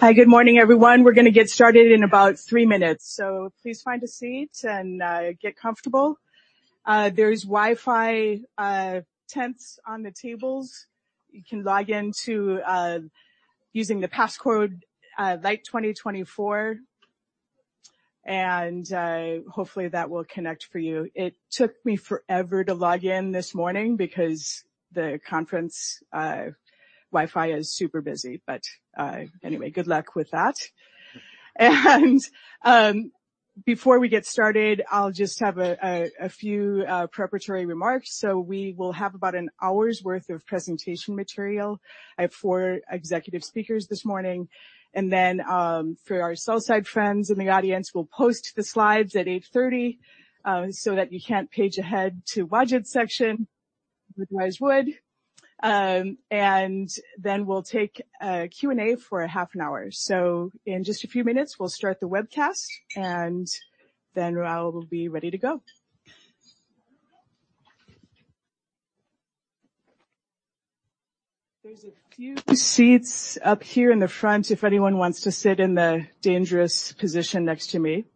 Hi, good morning, everyone. We're gonna get started in about three minutes, so please find a seat and get comfortable. There's Wi-Fi tent cards on the tables. You can log into using the passcode light 2024, and hopefully, that will connect for you. It took me forever to log in this morning because the conference Wi-Fi is super busy, but anyway, good luck with that. Before we get started, I'll just have a few preparatory remarks. We will have about an hour's worth of presentation material. I have 4 executive speakers this morning, and then for our sell-side friends in the audience, we'll post the slides at 8:30 A.M., so that you can't page ahead to budget section, which I would. And then we'll take a Q&A for a half an hour. So in just a few minutes, we'll start the webcast, and then we'll be ready to go. There's a few seats up here in the front if anyone wants to sit in the dangerous position next to me.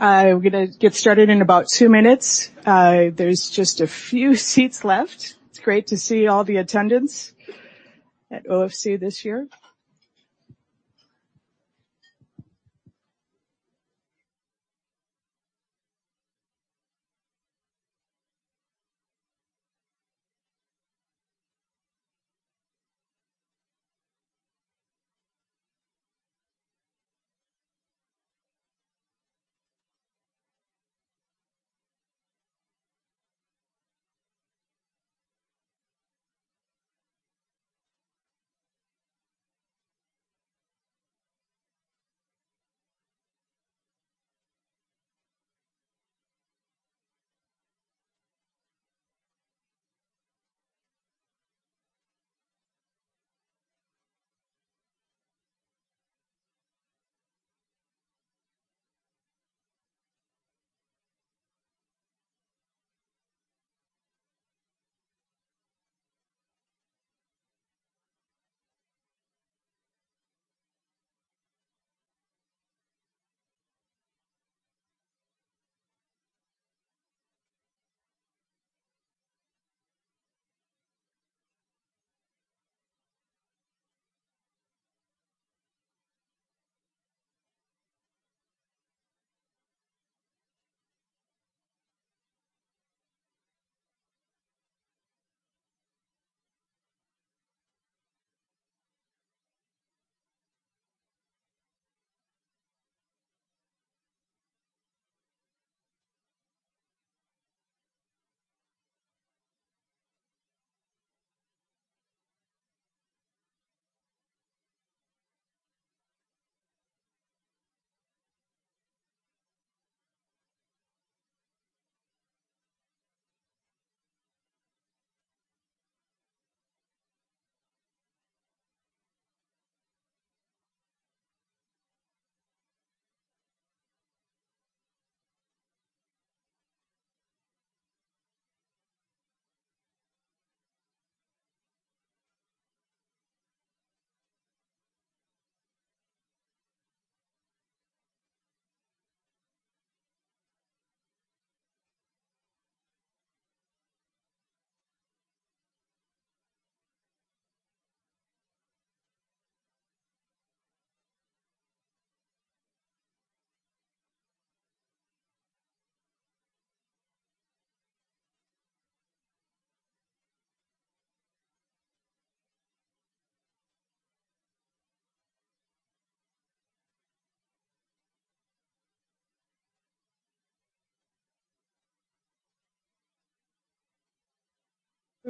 I'm gonna get started in about two minutes. There's just a few seats left. It's great to see all the attendance at OFC this year.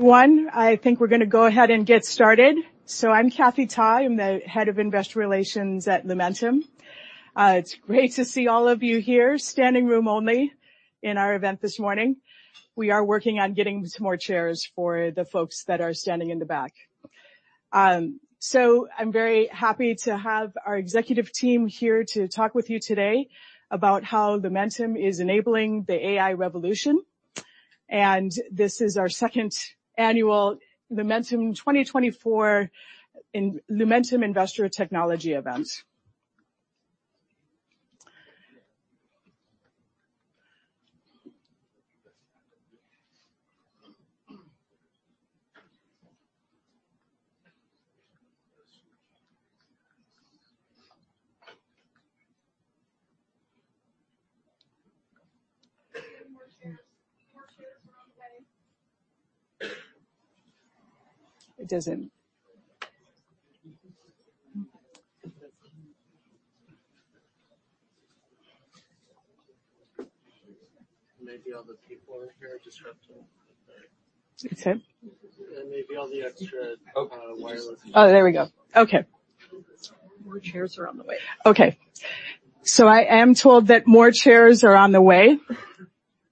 One, I think we're gonna go ahead and get started. So I'm Kathy Tai, the Head of Investor Relations at Lumentum. It's great to see all of you here, standing room only in our event this morning. We are working on getting some more chairs for the folks that are standing in the back. I'm very happy to have our executive team here to talk with you today about how Lumentum is enabling the AI revolution, and this is our second annual Lumentum 2024 in Lumentum Investor Technology Event. More chairs. More chairs are on the way. It doesn't? Maybe all the people in here are disrupting. Excuse me. Maybe all the extra, wireless. Oh, there we go. Okay. More chairs are on the way. Okay. So I am told that more chairs are on the way.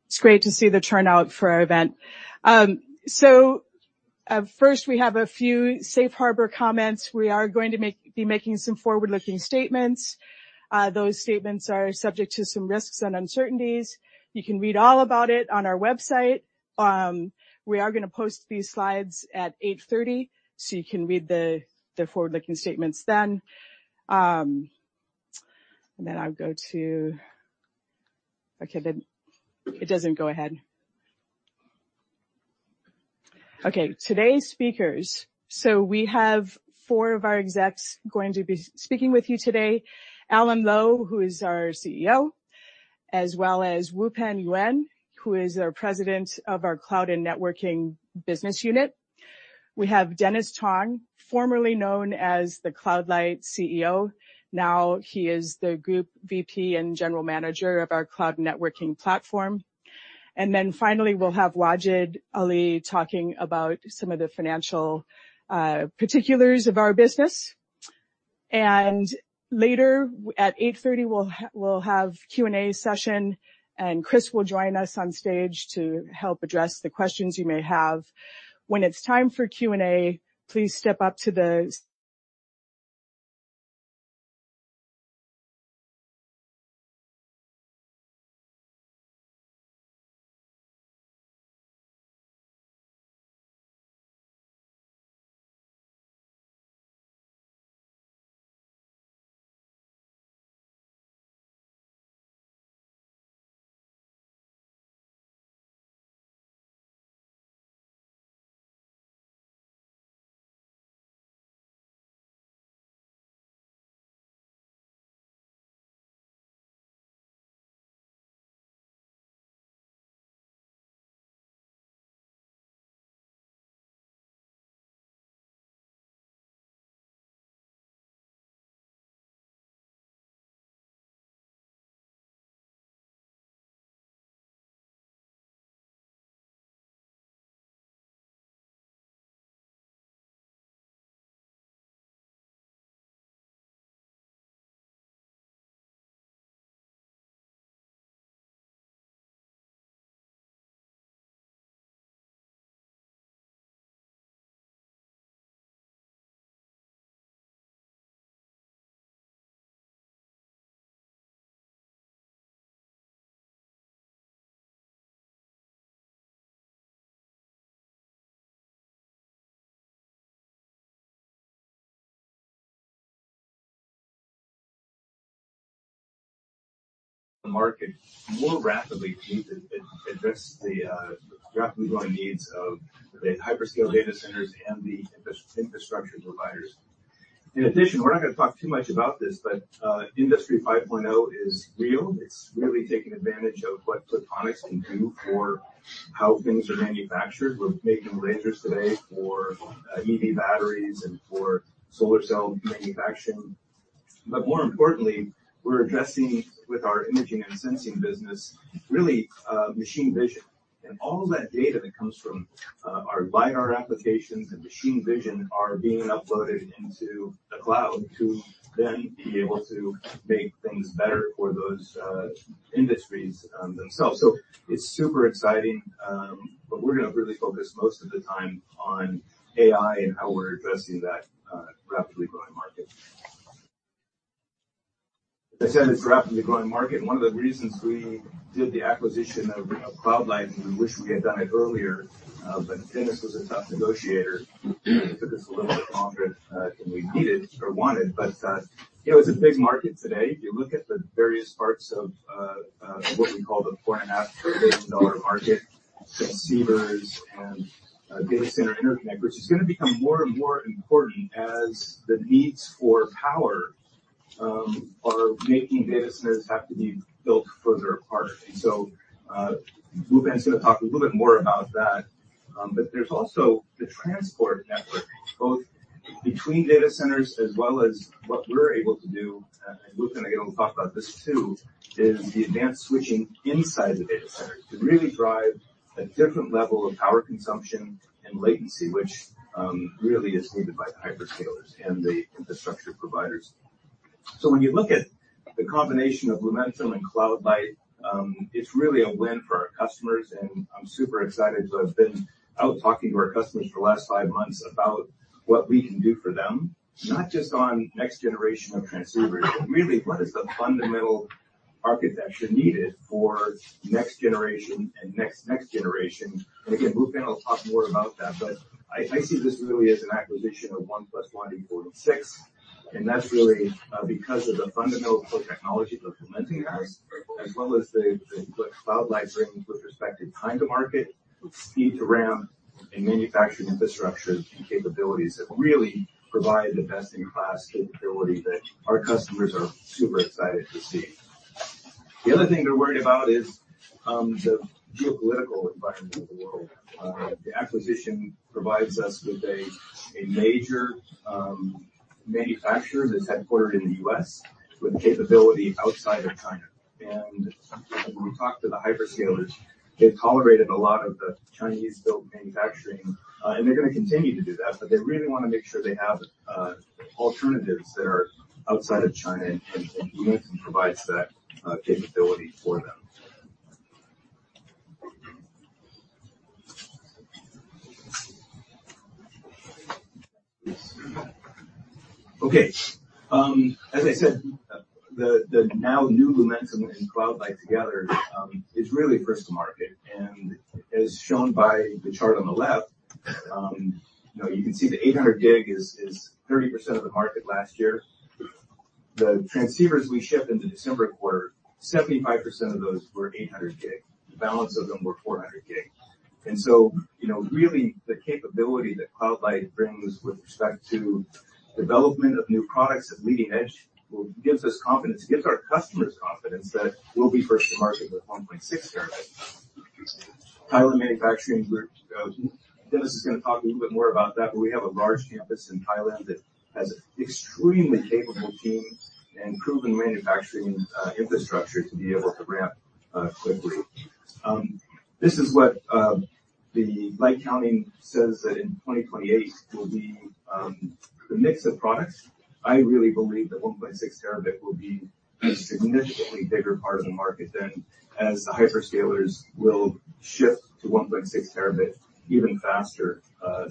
It's great to see the turnout for our event. So, first, we have a few safe harbor comments. We are going to make-- be making some forward-looking statements. Those statements are subject to some risks and uncertainties. You can read all about it on our website. We are going to post these slides at 8:30 A.M., so you can read the forward-looking statements then. And then I'll go to... Okay, then it doesn't go ahead. Okay, today's speakers. So we have four of our execs going to be speaking with you today, Alan Lowe, who is our CEO, as well as Wupen Yuen, who is our President of our cloud and networking business unit. We have Dennis Tong, formerly known as the CloudLight CEO. Now he is the group VP and general manager of our cloud networking platform. And then finally, we'll have Wajid Ali talking about some of the financial particulars of our business. And later, at 8:30, we'll have Q&A session, and Chris will join us on stage to help address the questions you may have. When it's time for Q&A, please step up to the- The market more rapidly need to address the rapidly growing needs of the hyperscale data centers and the infrastructure providers. In addition, we're not going to talk too much about this, but Industry 5.0 is real. It's really taking advantage of what photonics can do for how things are manufactured. We're making lasers today for EV batteries and for solar cell manufacturing. But more importantly, we're addressing with our imaging and sensing business really machine vision. And all of that data that comes from our LiDAR applications and machine vision are being uploaded into the cloud to then be able to make things better for those industries themselves. So it's super exciting, but we're going to really focus most of the time on AI and how we're addressing that rapidly growing market. As I said, it's a rapidly growing market, and one of the reasons we did the acquisition of CloudLight, and we wish we had done it earlier, but Dennis was a tough negotiator. It took us a little bit longer than we needed or wanted, but you know, it's a big market today. If you look at the various parts of what we call the $4.5 billion market, receivers and data center interconnect, which is going to become more and more important as the needs for power are making data centers have to be built further apart. And so, Wupen is going to talk a little bit more about that. But there's also the transport network, both between data centers as well as what we're able to do. Wupen is going to be able to talk about this, too, is the advanced switching inside the data centers to really drive a different level of power consumption and latency, which really is needed by the hyperscalers and the infrastructure providers. When you look at the combination of Lumentum and CloudLight, it's really a win for our customers, and I'm super excited because I've been out talking to our customers for the last five months about what we can do for them, not just on next generation of transceivers, but really, what is the fundamental architecture needed for next generation and next, next generation? Again, Wupen Yuen will talk more about that, but I see this really as an acquisition of 1 + 1 = 6, and that's really because of the fundamental technology that Lumentum has, as well as the what CloudLight brings with respect to time to market, speed to ramp, and manufacturing infrastructure and capabilities that really provide the best-in-class capability that our customers are super excited to see. The other thing they're worried about is the geopolitical environment of the world. The acquisition provides us with a major manufacturer that's headquartered in the U.S. with capability outside of China. When we talk to the hyperscalers, they've tolerated a lot of the Chinese-built manufacturing, and they're going to continue to do that, but they really want to make sure they have alternatives that are outside of China, and Lumentum provides that capability for them. Okay, as I said, the now new Lumentum and CloudLight together is really first to market, and as shown by the chart on the left, you know, you can see the 800 gig is 30% of the market last year. The transceivers we shipped in the December quarter, 75% of those were 800 gig. The balance of them were 400 gig. And so, you know, really the capability that CloudLight brings with respect to development of new products at leading edge will gives us confidence, gives our customers confidence that we'll be first to market with 1.6 terabit. Thailand manufacturing group, Dennis is going to talk a little bit more about that, but we have a large campus in Thailand that has extremely capable teams and proven manufacturing, infrastructure to be able to ramp, quickly. This is what the LightCounting says that in 2028 will be, the mix of products. I really believe that 1.6 terabit will be a significantly bigger part of the market than as the hyperscalers will shift to 1.6 terabit even faster,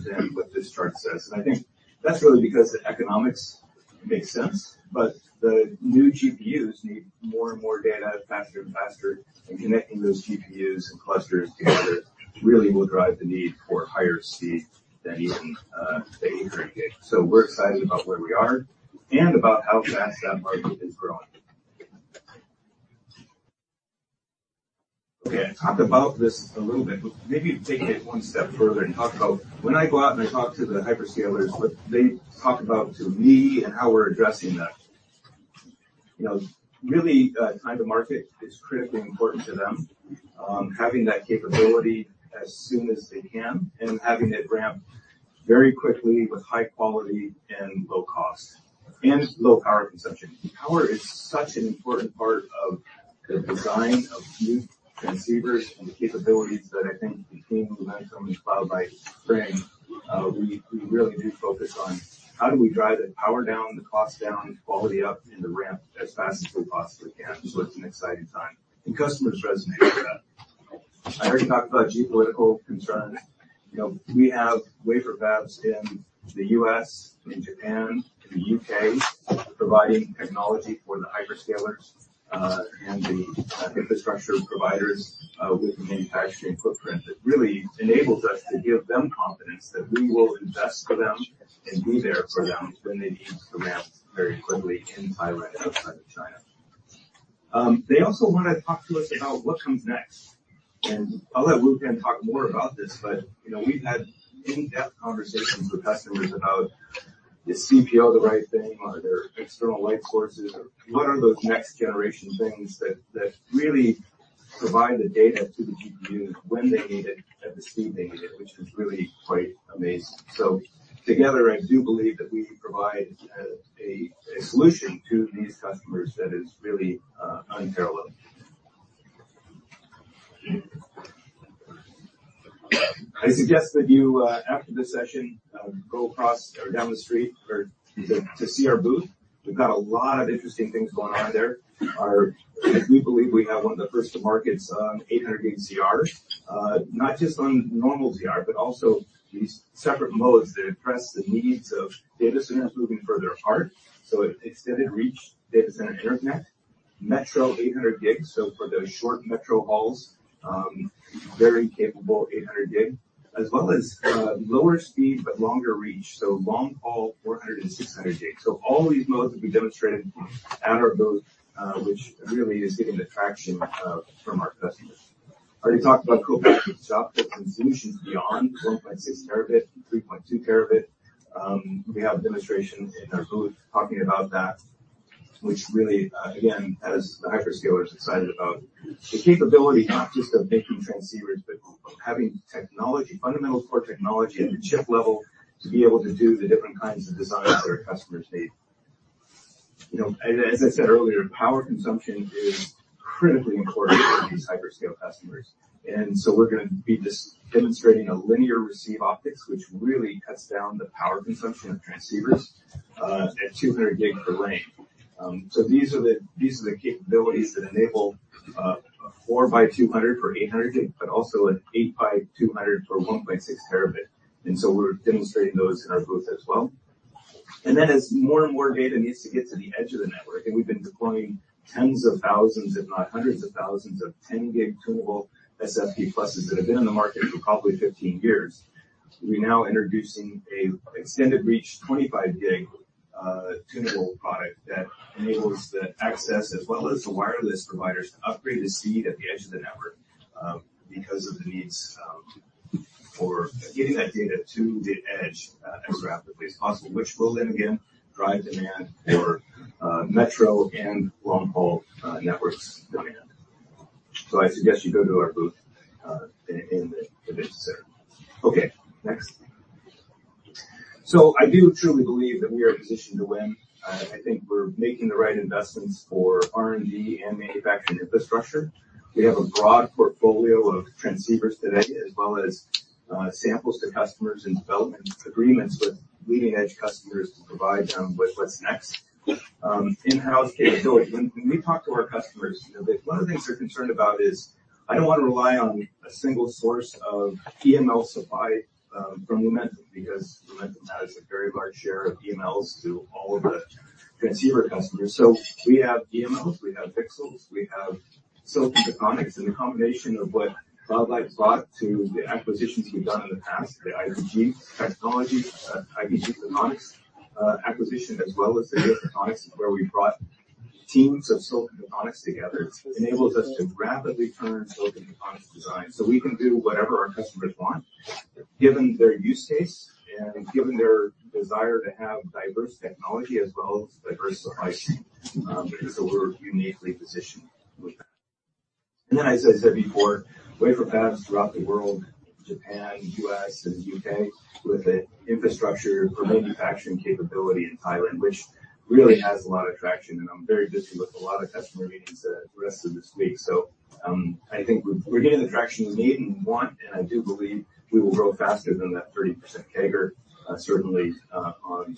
than what this chart says. And I think that's really because the economics make sense, but the new GPUs need more and more data, faster and faster, and connecting those GPUs and clusters together really will drive the need for higher speed than even the 800 gig. So we're excited about where we are and about how fast that market is growing. Okay, I talked about this a little bit, but maybe take it one step further and talk about when I go out and I talk to the hyperscalers, what they talk about to me and how we're addressing that. You know, really, time to market is critically important to them. Having that capability as soon as they can and having it ramp very quickly with high quality and low cost and low power consumption. Power is such an important part of the design of new transceivers and the capabilities that I think the team, Lumentum, and CloudLight bring. We really do focus on how we drive the power down, the cost down, quality up, and the ramp as fast as we possibly can. So it's an exciting time, and customers resonate with that. I already talked about geopolitical concerns. You know, we have wafer fabs in the U.S., in Japan, in the U.K., providing technology for the hyperscalers and the infrastructure providers with a manufacturing footprint that really enables us to give them confidence that we will invest for them and be there for them when they need to ramp very quickly in Thailand and outside of China. They also want to talk to us about what comes next. I'll let Wupen Yuen talk more about this, but, you know, we've had in-depth conversations with customers about, is CPO the right thing? Are there external light sources or what are those next generation things that really provide the data to the GPUs when they need it, at the speed they need it, which is really quite amazing. So together, I do believe that we provide a solution to these customers that is really unparalleled. I suggest that you after this session go across or down the street or to see our booth. We've got a lot of interesting things going on there. We believe we have one of the first to markets, 800G ZR. Not just on normal ZR, but also these separate modes that address the needs of data centers moving further apart, so Extended Reach Data Center Interconnect, Metro 800G, so for those short metro hauls, very capable 800G, as well as lower speed but longer reach, so long-haul 400G and 600G. So all these modes will be demonstrated at our booth, which really is getting the traction from our customers. I already talked about co-packaged optics, but solutions beyond 1.6T, 3.2T. We have a demonstration in our booth talking about that, which really, again, has the hyperscalers excited about the capability, not just of making transceivers, but of having technology, fundamental core technology at the chip level to be able to do the different kinds of designs that our customers need. You know, as I said earlier, power consumption is critically important for these hyperscale customers. So we're going to be just demonstrating a linear receive optics, which really cuts down the power consumption of transceivers at 200 gig per lane. So these are the capabilities that enable a 4 by 200 for 800 gig, but also an 8 by 200 for 1.6 terabit. And so we're demonstrating those in our booth as well. And then as more and more data needs to get to the edge of the network, and we've been deploying tens of thousands, if not hundreds of thousands, of 10 gig tunable SFP+ that have been on the market for probably 15 years. We're now introducing an extended reach, 25 gig, tunable product that enables the access as well as the wireless providers to upgrade the speed at the edge of the network, because of the needs, for getting that data to the edge, as rapidly as possible, which will then again, drive demand for, metro and long-haul, network demand. I suggest you go to our booth in the data center. Okay, next. I do truly believe that we are positioned to win. I think we're making the right investments for R&D and manufacturing infrastructure. We have a broad portfolio of transceivers today, as well as samples to customers and development agreements with leading-edge customers to provide them with what's next. In-house capability. When we talk to our customers, you know, one of the things they're concerned about is: I don't want to rely on a single source of EML supply from Lumentum, because Lumentum has a very large share of EMLs to all of the transceiver customers. So we have EMLs, we have pixels, we have silicon photonics, and a combination of what CloudLight brought to the acquisitions we've done in the past, the IPG technology, IPG Photonics acquisition, as well as the other photonics, where we brought teams of silicon photonics together, enables us to rapidly turn silicon photonics design. So we can do whatever our customers want, given their use case and given their desire to have diverse technology as well as diverse supply chain. So we're uniquely positioned with that. As I said before, wafer fabs throughout the world, Japan, U.S., and U.K., with the infrastructure for manufacturing capability in Thailand, which really has a lot of traction, and I'm very busy with a lot of customer meetings the rest of this week. So I think we're getting the traction we need and want, and I do believe we will grow faster than that 30% CAGR, certainly, on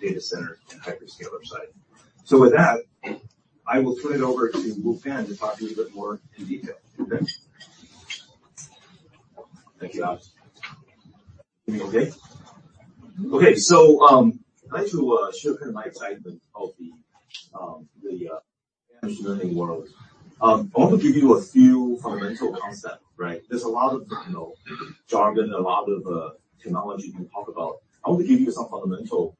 data center and hyperscaler side. So with that, I will turn it over to Wupen to talk to you a bit more in detail. Wupen? Thank you, Alan. Everything okay? Okay, so I'd like to share kind of my excitement of the machine learning world. I want to give you a few fundamental concepts, right? There's a lot of, you know, jargon, a lot of technology we can talk about. I want to give you some fundamental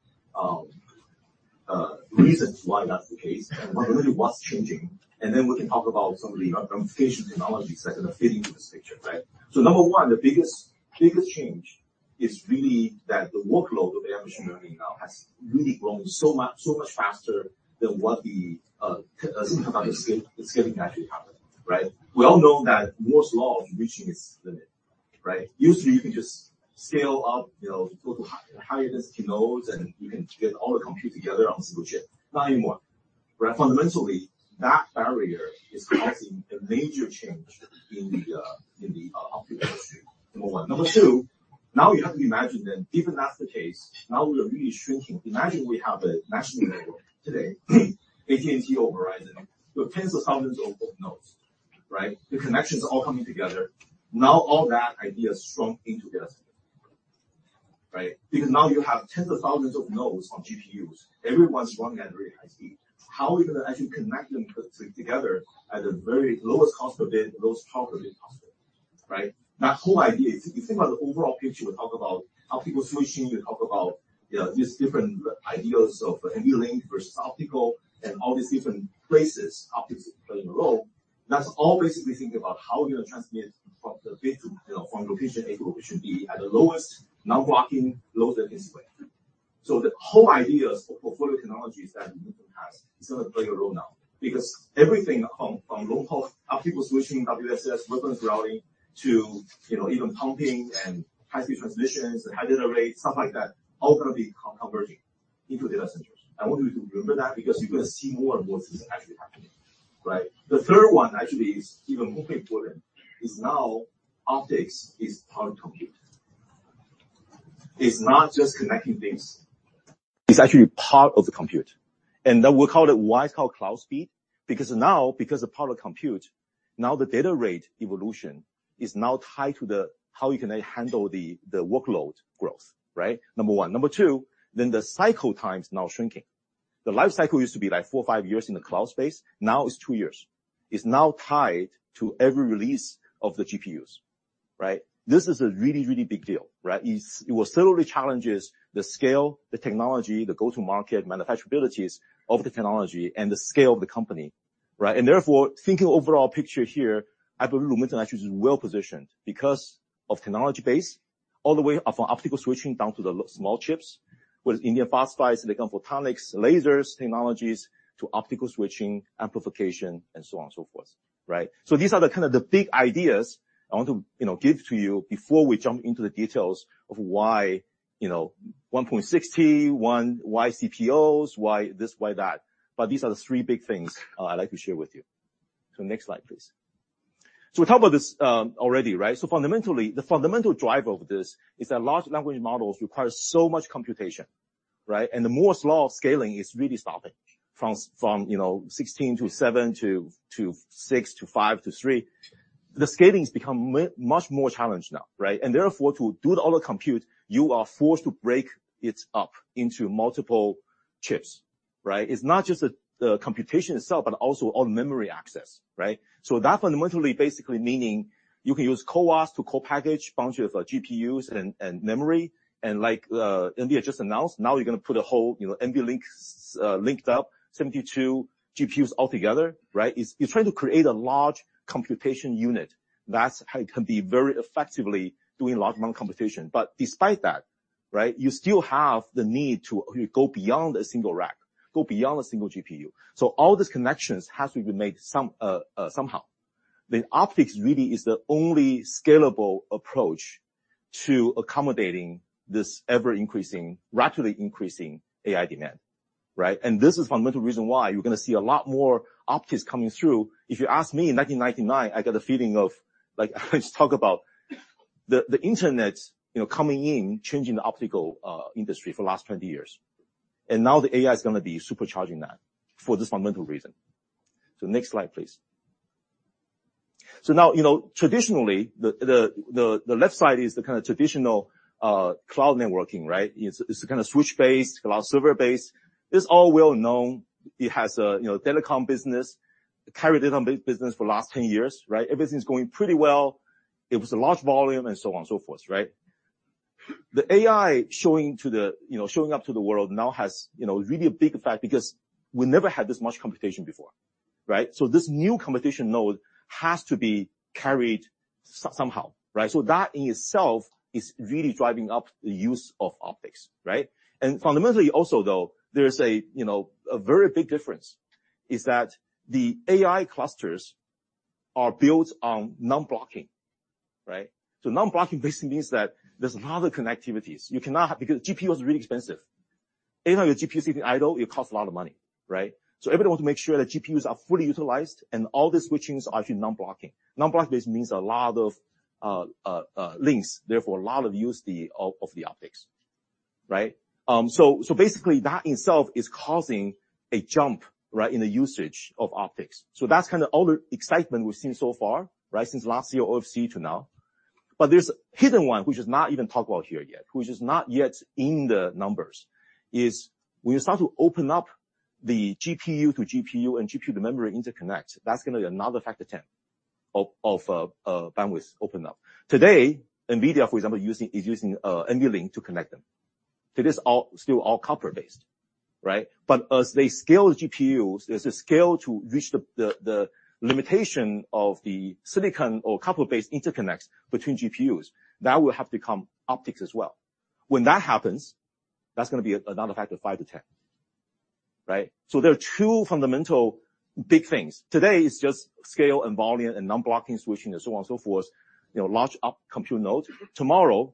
reasons why that's the case and really what's changing. And then we can talk about some of the implementation technologies that are going to fit into this picture, right? So number one, the biggest, biggest change is really that the workload of AI machine learning now has really grown so much, so much faster than what the scale, the scaling actually happened, right? We all know that Moore's Law is reaching its limit, right? Usually, you can just scale up, you know, go to high, higher density nodes, and you can get all the compute together on a single chip. Not anymore. Where fundamentally, that barrier is causing a major change in the optics industry. Number 1. Number 2, now you have to imagine then, if that's the case, now we are really shrinking. Imagine we have a national network today, AT&T or Verizon, with tens of thousands of nodes, right? The connections are all coming together. Now, all that idea is shrunk into this, right? Because now you have tens of thousands of nodes on GPUs. Everyone's running at a very high speed. How are we going to actually connect them together at the very lowest cost of the lowest power of the cost, right? That whole idea, if you think about the overall picture, we talk about optical switching, we talk about, you know, these different ideas of NVLink versus optical and all these different places, optics play a role. That's all basically thinking about how you're going to transmit from the data, you know, from location A to location B at the lowest power, lowest latency. So the whole idea of portfolio technologies that Lumentum has is going to play a role now. Because everything from long haul, optical switching, WSS, wavelength routing to, you know, even pumping and high speed transmissions and high data rates, stuff like that, all going to be converging into data centers. I want you to remember that because you're going to see more and more of this actually happening, right? The third one, actually, is even more important, is now optics is part of compute. It's not just connecting things, it's actually part of the compute. And then we call it, why it's called cloud speed? Because now, because of power compute, now the data rate evolution is now tied to how you can now handle the workload growth, right? Number 1. Number 2, then the cycle time is now shrinking. The life cycle used to be like 4 or 5 years in the cloud space, now it's 2 years. It's now tied to every release of the GPUs, right? This is a really, really big deal, right? It will certainly challenges the scale, the technology, the go-to-market manufacturability of the technology, and the scale of the company, right? Therefore, thinking of overall picture here, I believe Lumentum actually is well-positioned because of technology base, all the way from optical switching down to the small chips, with indium phosphide, silicon photonics, lasers, technologies, to optical switching, amplification, and so on and so forth, right? So these are the kind of the big ideas I want to, you know, give to you before we jump into the details of, you know, why CPOs? Why this, why that? But these are the three big things, I'd like to share with you. So next slide, please. So we talked about this, already, right? So fundamentally, the fundamental driver of this is that large language models require so much computation, right? The Moore's Law of scaling is really stopping from, from, you know, 16 to 7, to, to 6, to 5, to 3. The scaling has become much more challenged now, right? And therefore, to do all the compute, you are forced to break it up into multiple chips, right? It's not just the computation itself, but also all memory access, right? So that fundamentally basically meaning you can use CoWoS to co-package bunch of GPUs and memory, and like NVIDIA just announced, now you're gonna put a whole, you know, NVLinks linked up 72 GPUs all together, right? You're trying to create a large computation unit. That's how it can be very effectively doing large amount of computation. But despite that, right, you still have the need to go beyond a single rack, go beyond a single GPU. So all these connections has to be made somehow. The optics really is the only scalable approach to accommodating this ever-increasing, rapidly increasing AI demand, right? And this is fundamental reason why you're gonna see a lot more optics coming through. If you ask me, in 1999, I got a feeling of, like, I just talk about the, the internet, you know, coming in, changing the optical industry for the last 20 years. And now the AI is gonna be supercharging that for this fundamental reason. So next slide, please. So now, you know, traditionally, the left side is the kinda traditional cloud networking, right? It's a kinda switch-based, cloud server-based. It's all well known. It has a, you know, telecom business. It carried it on base business for the last 10 years, right? Everything's going pretty well. It was a large volume and so on and so forth, right? The AI showing up to the world now has, you know, really a big effect because we never had this much computation before, right? So this new computation node has to be carried somehow, right? So that in itself is really driving up the use of optics, right? And fundamentally also, though, there is a, you know, a very big difference, is that the AI clusters are built on non-blocking, right? So non-blocking basically means that there's a lot of connectivities. You cannot have because GPU is really expensive. Anytime your GPU is sitting idle, it costs a lot of money, right? So everybody want to make sure that GPUs are fully utilized, and all the switchings are actually non-blocking. Non-blocking basically means a lot of links, therefore, a lot of use of the optics, right? So, so basically, that in itself is causing a jump, right, in the usage of optics. So that's kinda all the excitement we've seen so far, right, since last year, OFC to now. But there's a hidden one, which is not even talked about here yet, which is not yet in the numbers, is when you start to open up the GPU to GPU and GPU to memory interconnect, that's gonna be another factor 10 of bandwidth opened up. Today, NVIDIA, for example, is using NVLink to connect them. It is all, still all copper-based, right? But as they scale GPUs, as they scale to reach the limitation of the silicon or copper-based interconnects between GPUs, that will have to come optics as well. When that happens, that's gonna be another factor of 5-10, right? So there are two fundamental big things. Today, it's just scale and volume and non-blocking switching and so on and so forth, you know, large up compute nodes. Tomorrow,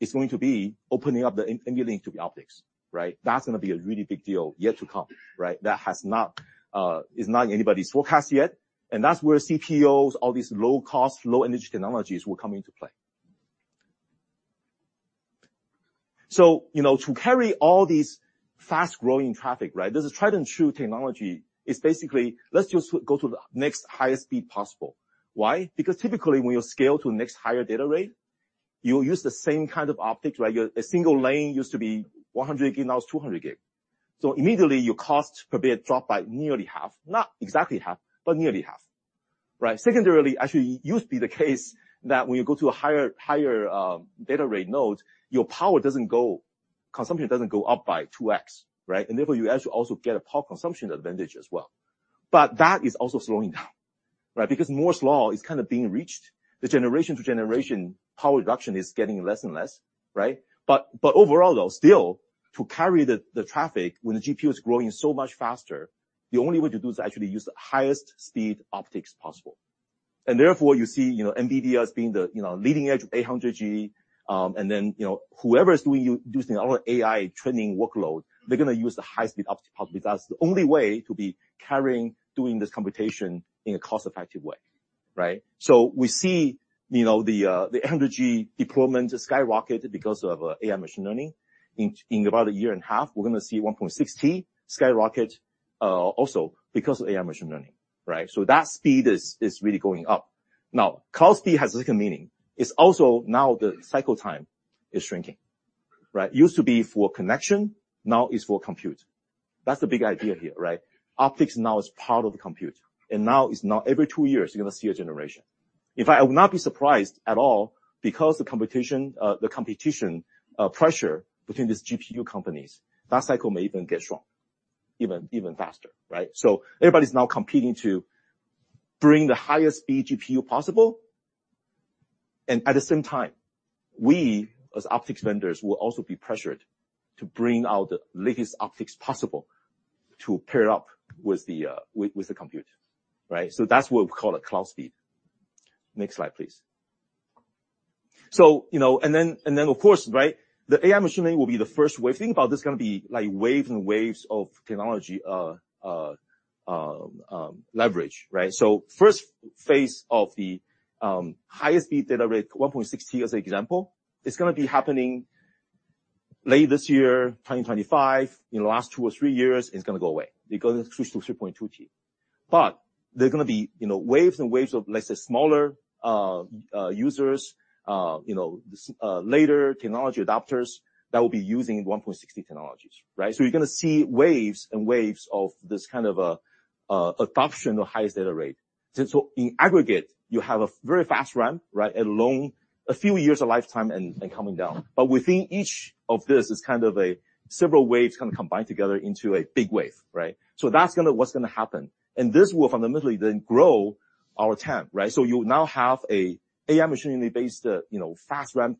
it's going to be opening up the NVLink to the optics, right? That's gonna be a really big deal yet to come, right? That has not, is not in anybody's forecast yet, and that's where CPOs, all these low-cost, low-energy technologies will come into play. So, you know, to carry all these fast-growing traffic, right? There's a tried-and-true technology, is basically, let's just go to the next highest speed possible. Why? Because typically, when you scale to the next higher data rate, you'll use the same kind of optics, right? A single lane used to be 100 gig, now it's 200 gig. So immediately, your cost per bit drop by nearly half. Not exactly half, but nearly half, right? Secondarily, actually, it used to be the case that when you go to a higher data rate node, your power consumption doesn't go up by 2x, right? And therefore, you actually also get a power consumption advantage as well. But that is also slowing down, right? Because Moore's Law is kind of being reached. The generation to generation power reduction is getting less and less, right? But overall, though, still, to carry the traffic when the GPU is growing so much faster, the only way to do is actually use the highest speed optics possible. And therefore, you see, you know, NVIDIA as being the, you know, leading edge of 800G. And then, you know, whoever is using our AI training workload, they're gonna use the highest speed optics possible. That's the only way to be carrying, doing this computation in a cost-effective way, right? So we see, you know, the energy deployment skyrocket because of AI machine learning. In about a year and a half, we're gonna see 1.T skyrocket, also because of AI machine learning, right? So that speed is really going up. Now, cloud speed has a second meaning. It's also now the cycle time is shrinking, right? Used to be for connection, now it's for compute. That's the big idea here, right? Optics now is part of the compute, and now it's every two years, you're gonna see a generation. In fact, I would not be surprised at all because the computation, the competition, pressure between these GPU companies, that cycle may even get shrunk even faster, right? So everybody's now competing to bring the highest speed GPU possible, and at the same time, we, as optics vendors, will also be pressured to bring out the latest optics possible to pair it up with the with the compute, right? So that's what we call a cloud speed. Next slide, please. So, you know, and then, of course, right, the AI machine learning will be the first wave. Think about this is going to be like waves and waves of technology, leverage, right? So first phase of the highest speed data rate, 1.6T as an example, is going to be happening late this year, 2025. In the last two or three years, it's going to go away because it switched to 3.2 T. But there are going to be, you know, waves and waves of, let's say, smaller users, you know, later technology adapters that will be using 1.6T technologies, right? So you're going to see waves and waves of this kind of a adoption of highest data rate. So in aggregate, you have a very fast ramp, right? A few years of lifetime and coming down. But within each of this is kind of a several waves kind of combined together into a big wave, right? So that's gonna, what's going to happen. And this will fundamentally then grow our TAM, right? So you now have a AI machine learning-based, you know, fast ramp,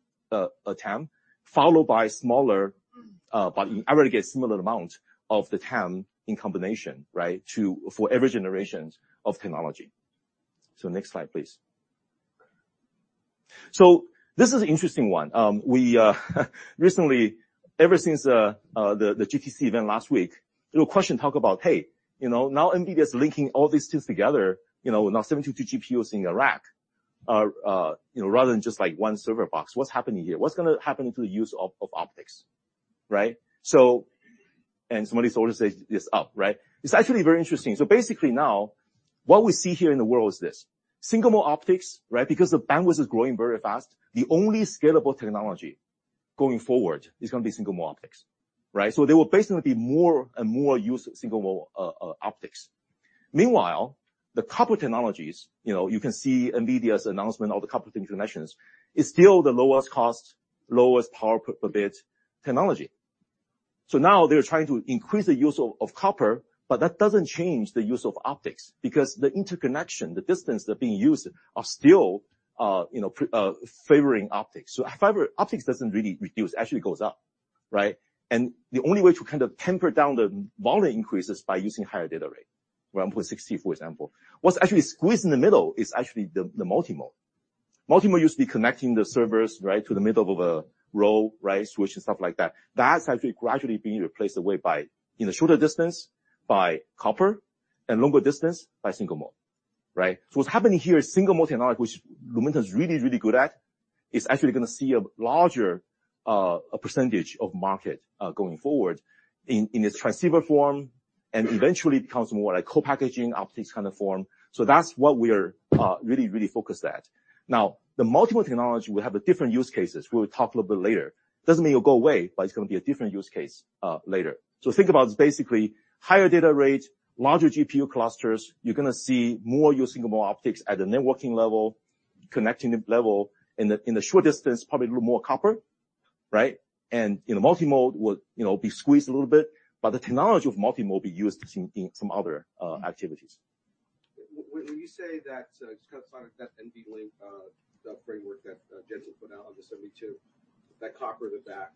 TAM, followed by smaller, but in aggregate, similar amount of the TAM in combination, right, for every generation of technology. So next slide, please. So this is an interesting one. We recently, ever since the GTC event last week, there was a question about, hey, you know, now NVIDIA is linking all these things together, you know, now 72 GPUs in a rack, you know, rather than just, like, 1 server box. What's happening here? What's going to happen to the use of optics, right? So somebody sort of says, yes, up, right? It's actually very interesting. So basically now, what we see here in the world is this: single mode optics, right? Because the bandwidth is growing very fast. The only scalable technology going forward is going to be single mode optics, right? So there will basically be more and more use of single mode optics. Meanwhile, the copper technologies, you know, you can see NVIDIA's announcement of the copper interconnections, is still the lowest cost, lowest power per bit technology. So now they're trying to increase the use of, of copper, but that doesn't change the use of optics, because the interconnection, the distance they're being used, are still, you know, favoring optics. So fiber optics doesn't really reduce. It actually goes up, right? And the only way to kind of temper down the volume increase is by using higher data rate, 1.6 T, for example. What's actually squeezed in the middle is actually the, the multimode. Multimode used to be connecting the servers, right, to the middle of a row, right, switch and stuff like that. That's actually gradually being replaced away by, in the shorter distance, by copper, and longer distance by single mode, right? So what's happening here is single-mode technology, which Lumentum is really, really good at, is actually going to see a larger percentage of market going forward in its transceiver form, and eventually becomes more like co-packaged optics kind of form. So that's what we're really, really focused at. Now, the multimode technology will have a different use cases. We'll talk a little bit later. Doesn't mean it'll go away, but it's going to be a different use case later. So think about basically higher data rate, larger GPU clusters. You're going to see more using more optics at the networking level, connecting level. In the short distance, probably a little more copper, right? And, you know, multimode will, you know, be squeezed a little bit, but the technology of multimode will be used in some other activities. When you say that, just kind of that NVLink, the framework that Jensen put out on the 72, that copper at the back,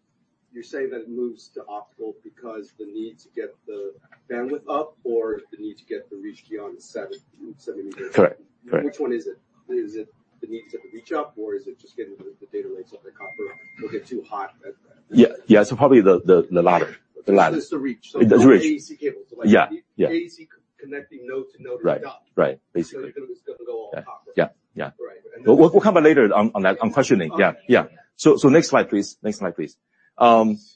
you say that it moves to optical because the need to get the bandwidth up or the need to get the reach beyond the 7.7 meters? Correct. Correct. Which one is it? Is it the need to get the reach up, or is it just getting the data rates of the copper will get too hot at the- Yeah. Yeah, so probably the latter. The latter. Just the reach. The reach. AC cables. Yeah, yeah. AC connecting node to node. Right. Right. Basically. So it's going to go all copper. Yeah, yeah. Right. We'll come back later on that questioning. Okay. Yeah, yeah. So, so next slide, please. Next slide, please. We can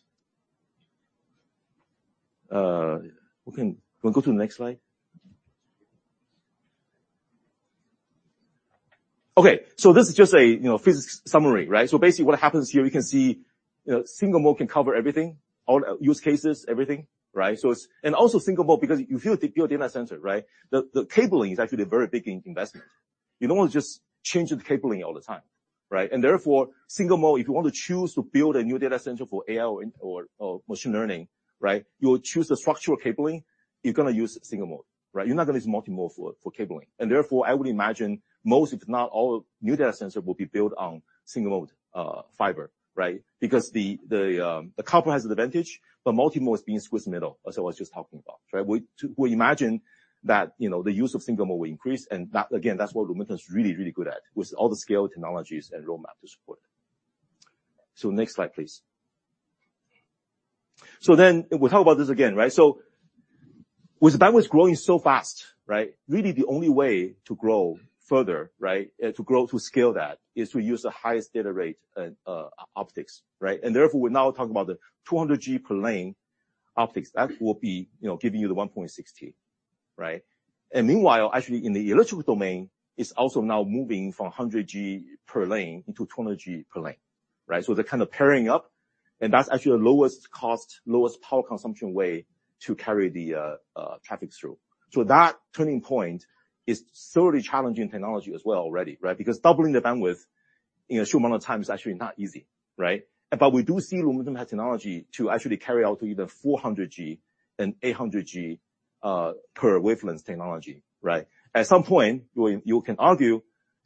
go to the next slide? Okay, so this is just a, you know, physics summary, right? So basically, what happens here, we can see, you know, single mode can cover everything, all use cases, everything, right? So it's, And also single mode, because if you build your data center, right, the cabling is actually a very big investment. You don't want to just change the cabling all the time, right? And therefore, single mode, if you want to choose to build a new data center for AI or machine learning, right, you will choose the structural cabling, you're going to use single mode, right? You're not going to use multimode for cabling. And therefore, I would imagine most, if not all, new data centers will be built on single mode fiber, right? Because the copper has an advantage, but multimode is being squeezed middle, as I was just talking about, right? We imagine that, you know, the use of single mode will increase, and that, again, that's what Lumentum is really, really good at, with all the scale, technologies, and roadmap to support it. So next slide, please. So then, we'll talk about this again, right? So with the bandwidth growing so fast, right, really the only way to grow further, right, to grow, to scale that, is to use the highest data rate optics, right? And therefore, we're now talking about the 200G per lane optics. That will be, you know, giving you the 1.6 T, right? And meanwhile, actually, in the electrical domain, it's also now moving from 100G per lane into 200G per lane, right? So they're kind of pairing up, and that's actually the lowest cost, lowest power consumption way to carry the traffic through. So that turning point is solely challenging technology as well already, right? Because doubling the bandwidth in a short amount of time is actually not easy, right? But we do see Lumentum have technology to actually carry out to either 400G and 800G per wavelength technology, right? At some point, you, you can argue,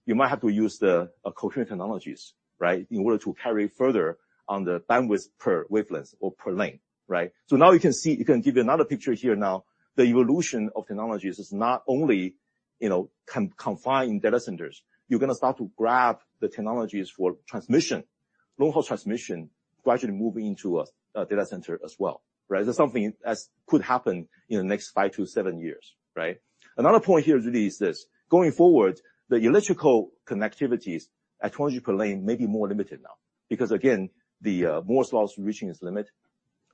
you might have to use the coherent technologies, right, in order to carry further on the bandwidth per wavelength or per lane, right? So now you can see you can give you another picture here now. The evolution of technologies is not only, you know, confined in data centers. You're going to start to grab the technologies for long-haul transmission gradually move into a data center as well, right? That's something that's could happen in the next 5-7 years, right? Another point here really is this, going forward, the electrical connectivities at 20 per lane may be more limited now. Because again, the Moore's Law is reaching its limit.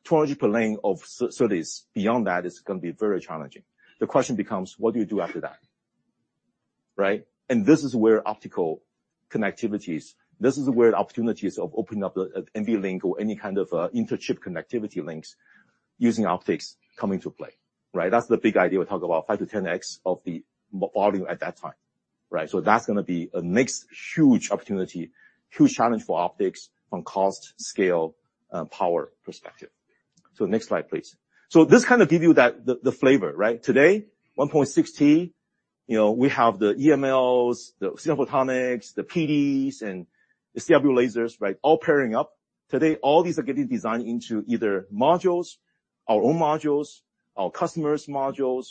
20 per lane of SerDes beyond that is gonna be very challenging. The question becomes, what do you do after that, right? And this is where optical connectivities, this is where the opportunities of opening up the NVLink or any kind of inter-chip connectivity links using optics come into play, right? That's the big idea. We talk about 5-10x of the volume at that time, right? So that's gonna be a next huge opportunity, huge challenge for optics from cost, scale, power perspective. So next slide, please. So this kind of give you that, the flavor, right? Today, 1.6T, you know, we have the EMLs, the silicon photonics, the PDs, and the CW lasers, right, all pairing up. Today, all these are getting designed into either modules, our own modules, our customers' modules,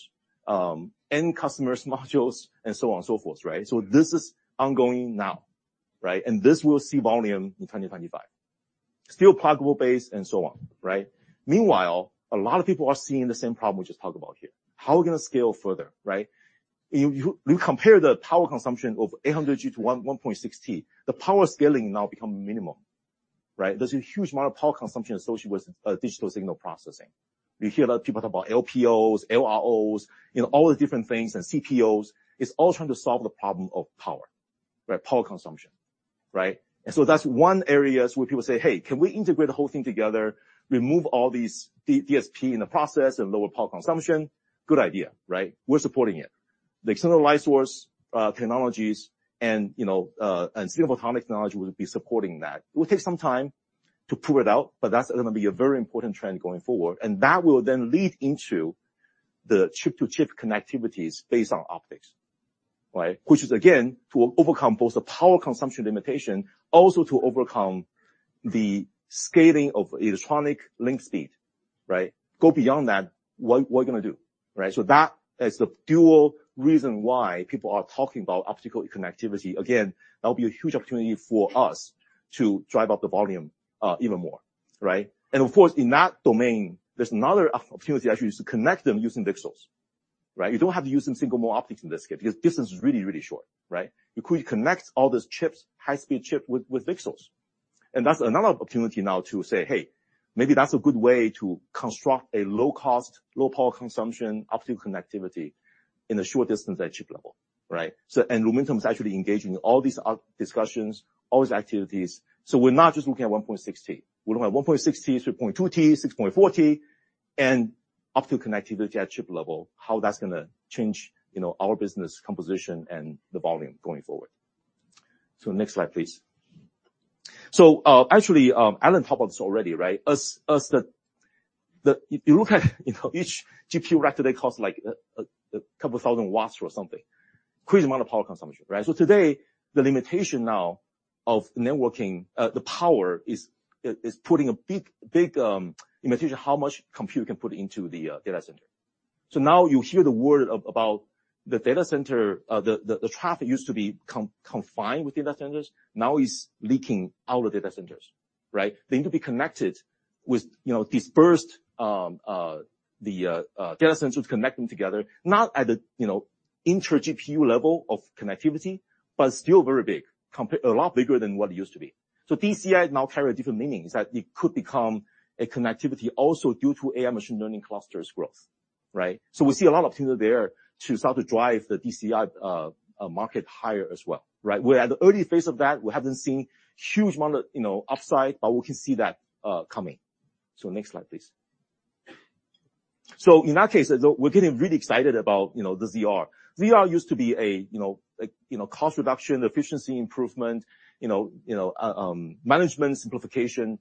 end customers' modules, and so on and so forth, right? So this is ongoing now, right? And this will see volume in 2025. Still pluggable base and so on, right? Meanwhile, a lot of people are seeing the same problem we just talked about here. How are we gonna scale further, right? You compare the power consumption of 800G to 1.6T, the power scaling now become minimum, right? There's a huge amount of power consumption associated with digital signal processing. You hear a lot of people talk about LPOs, LROs, you know, all the different things, and CPOs. It's all trying to solve the problem of power, right? Power consumption, right? And so that's one area where people say, "Hey, can we integrate the whole thing together, remove all these DSP in the process, and lower power consumption?" Good idea, right? We're supporting it. The external light source technologies and, you know, and silicon photonics technology will be supporting that. It will take some time to prove it out, but that's gonna be a very important trend going forward. And that will then lead into the chip-to-chip connectivities based on optics, right? Which is, again, to overcome both the power consumption limitation, also to overcome the scaling of electronic link speed, right? Go beyond that, what we're gonna do, right? So that is the dual reason why people are talking about optical connectivity. Again, that'll be a huge opportunity for us to drive up the volume, even more, right? And of course, in that domain, there's another opportunity actually, is to connect them using VCSELs, right? You don't have to use single-mode optics in this case, because distance is really, really short, right? You could connect all these chips, high-speed chip with VCSELs. And that's another opportunity now to say, "Hey, maybe that's a good way to construct a low-cost, low power consumption, optimal connectivity in a short distance at chip level," right? Lumentum is actually engaging in all these optical discussions, all these activities. So we're not just looking at 1.6T. We're looking at 1.6T, 3.2T, 6.4T, and optimal connectivity at chip level, how that's gonna change, you know, our business composition and the volume going forward. So next slide, please. So, actually, Alan talked about this already, right? As if you look at, you know, each GPU rack today costs like 2,000 watts or something. Crazy amount of power consumption, right? So today, the limitation of networking power is putting a big limitation on how much compute you can put into the data center. So now you hear the word about the data center, the traffic used to be confined with data centers, now is leaking out of data centers, right? They need to be connected with, you know, dispersed data centers connect them together, not at a, you know, intra GPU level of connectivity, but still very big. A lot bigger than what it used to be. So DCI now carry a different meaning, is that it could become a connectivity also due to AI machine learning clusters growth, right? So we see a lot of opportunity there to start to drive the DCI market higher as well, right? We're at the early phase of that. We haven't seen huge amount of, you know, upside, but we can see that coming. So next slide, please. So in that case, though, we're getting really excited about, you know, the ZR. ZR used to be a you know cost reduction, efficiency improvement, you know, management simplification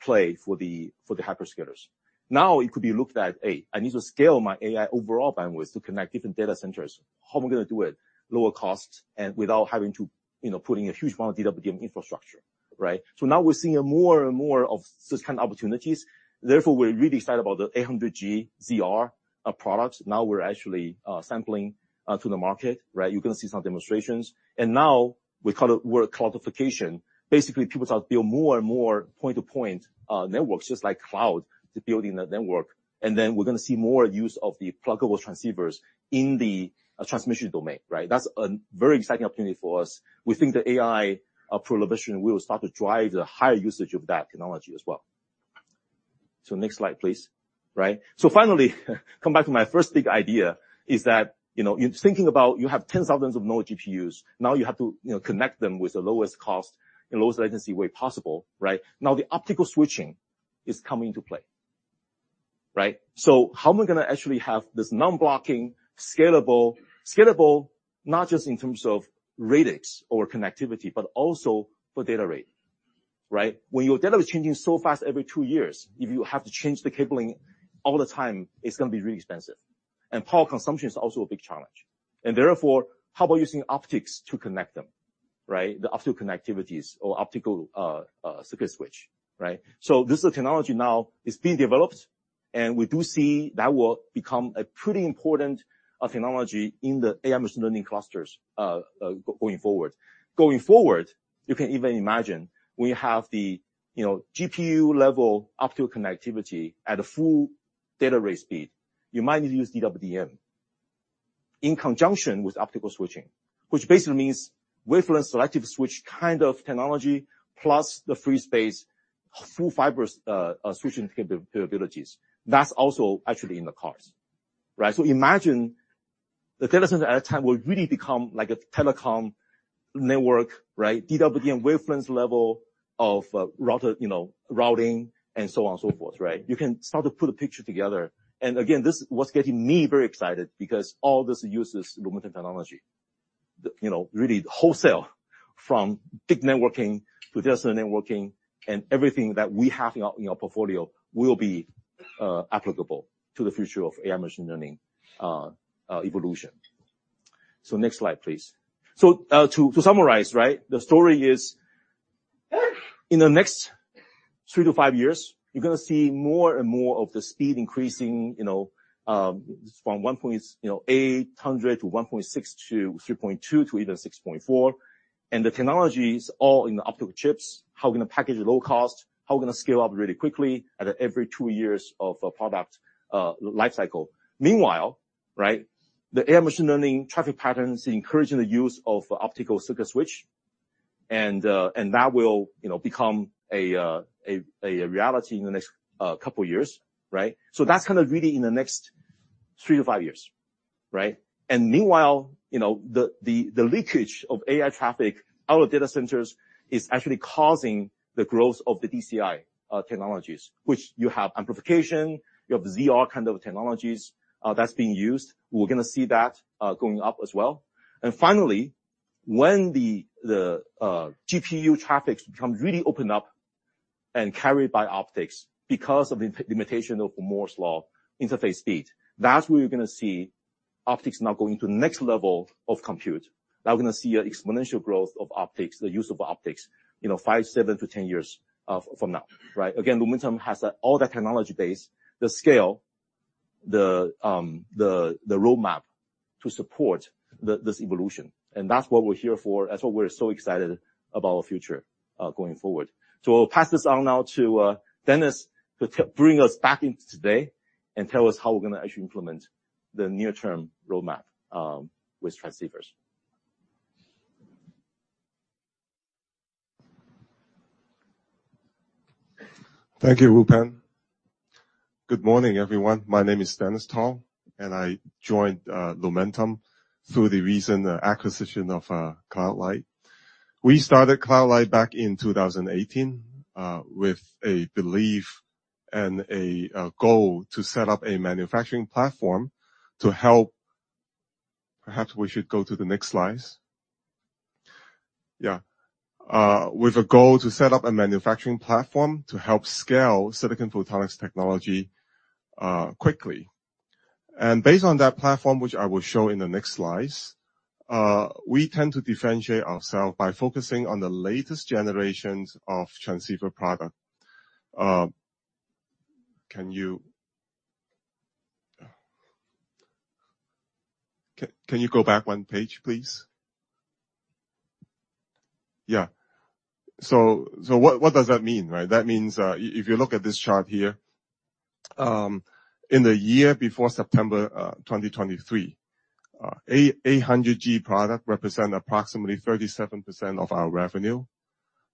play for the hyperscalers. Now, it could be looked at, hey, I need to scale my AI overall bandwidth to connect different data centers. How am I gonna do it? Lower costs and without having to, you know, putting a huge amount of DWDM infrastructure, right? So now we're seeing more and more of these kind of opportunities. Therefore, we're really excited about the 800G ZR products. Now we're actually sampling to the market, right? You're gonna see some demonstrations. And now, we call it cloudification. Basically, people start build more and more point-to-point networks, just like cloud, to building a network. Then we're gonna see more use of the pluggable transceivers in the transmission domain, right? That's a very exciting opportunity for us. We think the AI proliferation will start to drive the higher usage of that technology as well. Next slide, please. Right. Finally, come back to my first big idea, is that, you know, in thinking about you have 10,000s of node GPUs, now you have to, you know, connect them with the lowest cost and lowest latency way possible, right? Now, the optical switching is coming into play, right? How am I gonna actually have this non-blocking, scalable, scalable, not just in terms of radix or connectivity, but also for data rate, right? When your data is changing so fast every two years, if you have to change the cabling all the time, it's gonna be really expensive. Power consumption is also a big challenge. Therefore, how about using optics to connect them, right? The optical connectivities or optical circuit switch, right? So this technology now is being developed. And we do see that will become a pretty important technology in the AI machine learning clusters going forward. Going forward, you can even imagine we have the, you know, GPU level optical connectivity at a full data rate speed. You might need to use DWDM in conjunction with optical switching, which basically means wavelength selective switch kind of technology, plus the free space full fiber switching capabilities. That's also actually in the cards, right? So imagine the data center at a time will really become like a telecom network, right? DWDM wavelengths level of router, you know, routing, and so on and so forth, right? You can start to put a picture together. Again, this is what's getting me very excited because all this uses Lumentum technology. You know, really wholesale from big networking to data networking, and everything that we have in our portfolio will be applicable to the future of AI machine learning evolution. So next slide, please. So, to summarize, right, the story is, in the next three-five years, you're gonna see more and more of the speed increasing, you know, from 800 to 1.6, to 3.2, to even 6.4. The technologies all in the optical chips, how we're gonna package low cost, how we're gonna scale up really quickly at every 2 years of a product life cycle. Meanwhile, right, the AI machine learning traffic patterns are encouraging the use of optical circuit switch. And that will, you know, become a reality in the next couple of years, right? So that's kind of really in the next three-five years, right? And meanwhile, you know, the leakage of AI traffic out of data centers is actually causing the growth of the DCI technologies, which you have amplification, you have ZR kind of technologies, that's being used. We're gonna see that going up as well. And finally, when the GPU traffic becomes really opened up and carried by optics because of the limitation of Moore's Law interface speed, that's where you're gonna see optics now going to the next level of compute. Now we're gonna see an exponential growth of optics, the use of optics, you know, five-seven to 10 years from now, right? Again, Lumentum has all that technology base, the scale, the roadmap to support this evolution, and that's what we're here for. That's what we're so excited about our future going forward. So I'll pass this on now to Dennis, to bring us back into today, and tell us how we're gonna actually implement the near-term roadmap with transceivers. Thank you, Wupen. Good morning, everyone. My name is Dennis Tong, and I joined Lumentum through the recent acquisition of CloudLight. We started CloudLight back in 2018 with a belief and a goal to set up a manufacturing platform to help... Perhaps we should go to the next slide. Yeah. With a goal to set up a manufacturing platform to help scale silicon photonics technology quickly. And based on that platform, which I will show in the next slides, we tend to differentiate ourselves by focusing on the latest generations of transceiver product. Can you go back one page, please? Yeah. So, what does that mean, right? That means, if you look at this chart here, in the year before September 2023, 800G product represent approximately 37% of our revenue.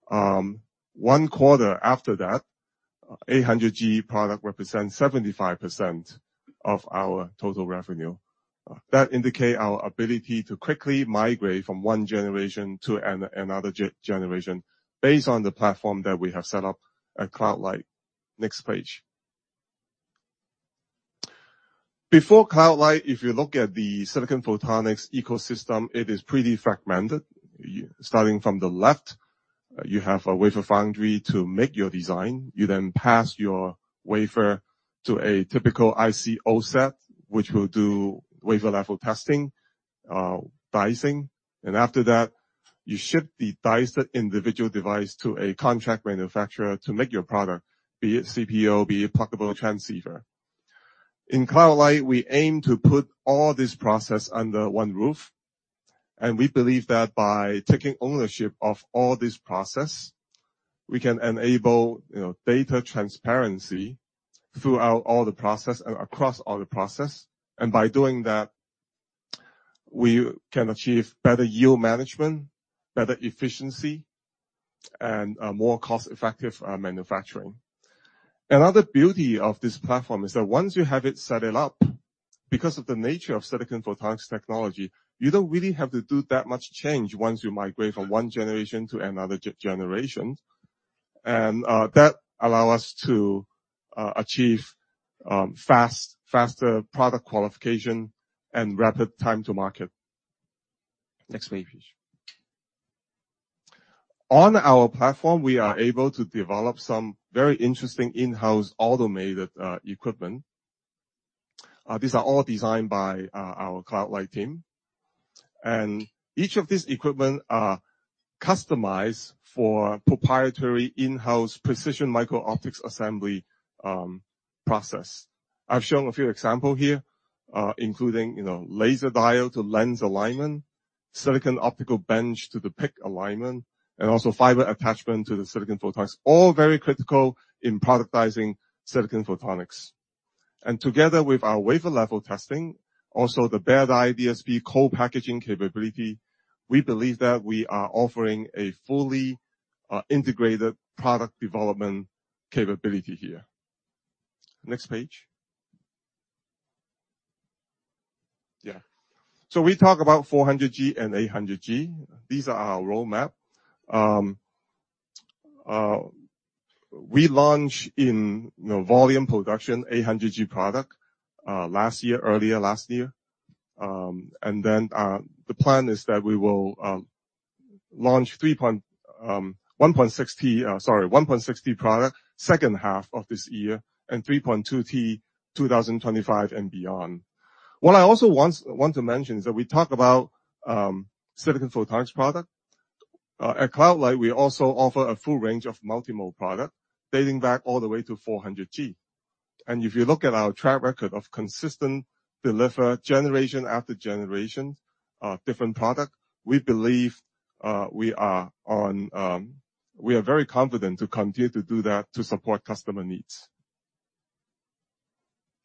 One quarter after that, 800G product represents 75% of our total revenue. That indicate our ability to quickly migrate from one generation to another generation, based on the platform that we have set up at CloudLight. Next page. Before CloudLight, if you look at the silicon photonics ecosystem, it is pretty fragmented. Starting from the left, you have a wafer foundry to make your design. You then pass your wafer to a typical OSAT, which will do wafer-level testing, dicing. And after that, you ship the diced individual device to a contract manufacturer to make your product, be it CPO, be it pluggable transceiver. In CloudLight, we aim to put all this process under one roof, and we believe that by taking ownership of all this process, we can enable, you know, data transparency throughout all the process and across all the process. And by doing that, we can achieve better yield management, better efficiency, and more cost-effective manufacturing. Another beauty of this platform is that once you have it set it up, because of the nature of Silicon Photonics technology, you don't really have to do that much change once you migrate from one generation to another generation. And that allow us to achieve faster product qualification and rapid time to market. Next page, please. On our platform, we are able to develop some very interesting in-house automated equipment. These are all designed by our CloudLight team. Each of these equipment are customized for proprietary in-house precision micro-optics assembly, process. I've shown a few example here, including, you know, laser die to lens alignment, silicon optical bench to the PIC alignment, and also fiber attachment to the silicon photonics. All very critical in productizing silicon photonics. And together with our wafer level testing, also the bare die DSP co-packaging capability, we believe that we are offering a fully, integrated product development capability here. Next page. Yeah. So we talk about 400G and 800G. These are our roadmap. We launch in, you know, volume production, 800G product, last year, earlier last year. And then, the plan is that we will launch 1.6T product, second half of this year, and 3.2T, 2025 and beyond. What I also want, want to mention is that we talk about silicon photonics product. At CloudLight, we also offer a full range of multi-mode product dating back all the way to 400G. And if you look at our track record of consistent delivery generation after generation of different product, we believe we are very confident to continue to do that to support customer needs.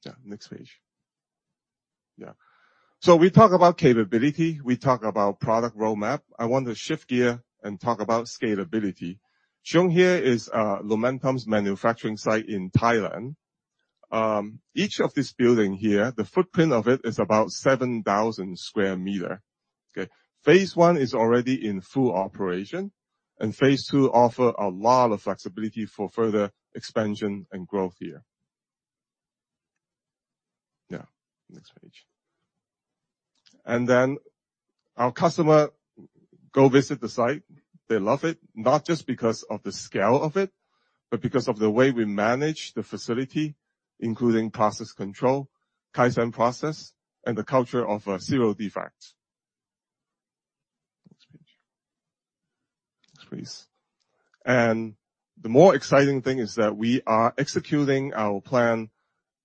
Yeah, next page. Yeah. So we talk about capability, we talk about product roadmap. I want to shift gear and talk about scalability. Shown here is Lumentum's manufacturing site in Thailand. Each of these building here, the footprint of it is about 7,000 square meter, okay? Phase one is already in full operation, and phase two offer a lot of flexibility for further expansion and growth here. Yeah, next page. Then our customer go visit the site. They love it, not just because of the scale of it, but because of the way we manage the facility, including process control, Kaizen process, and the culture of zero defects. Next page. Next, please. The more exciting thing is that we are executing our plan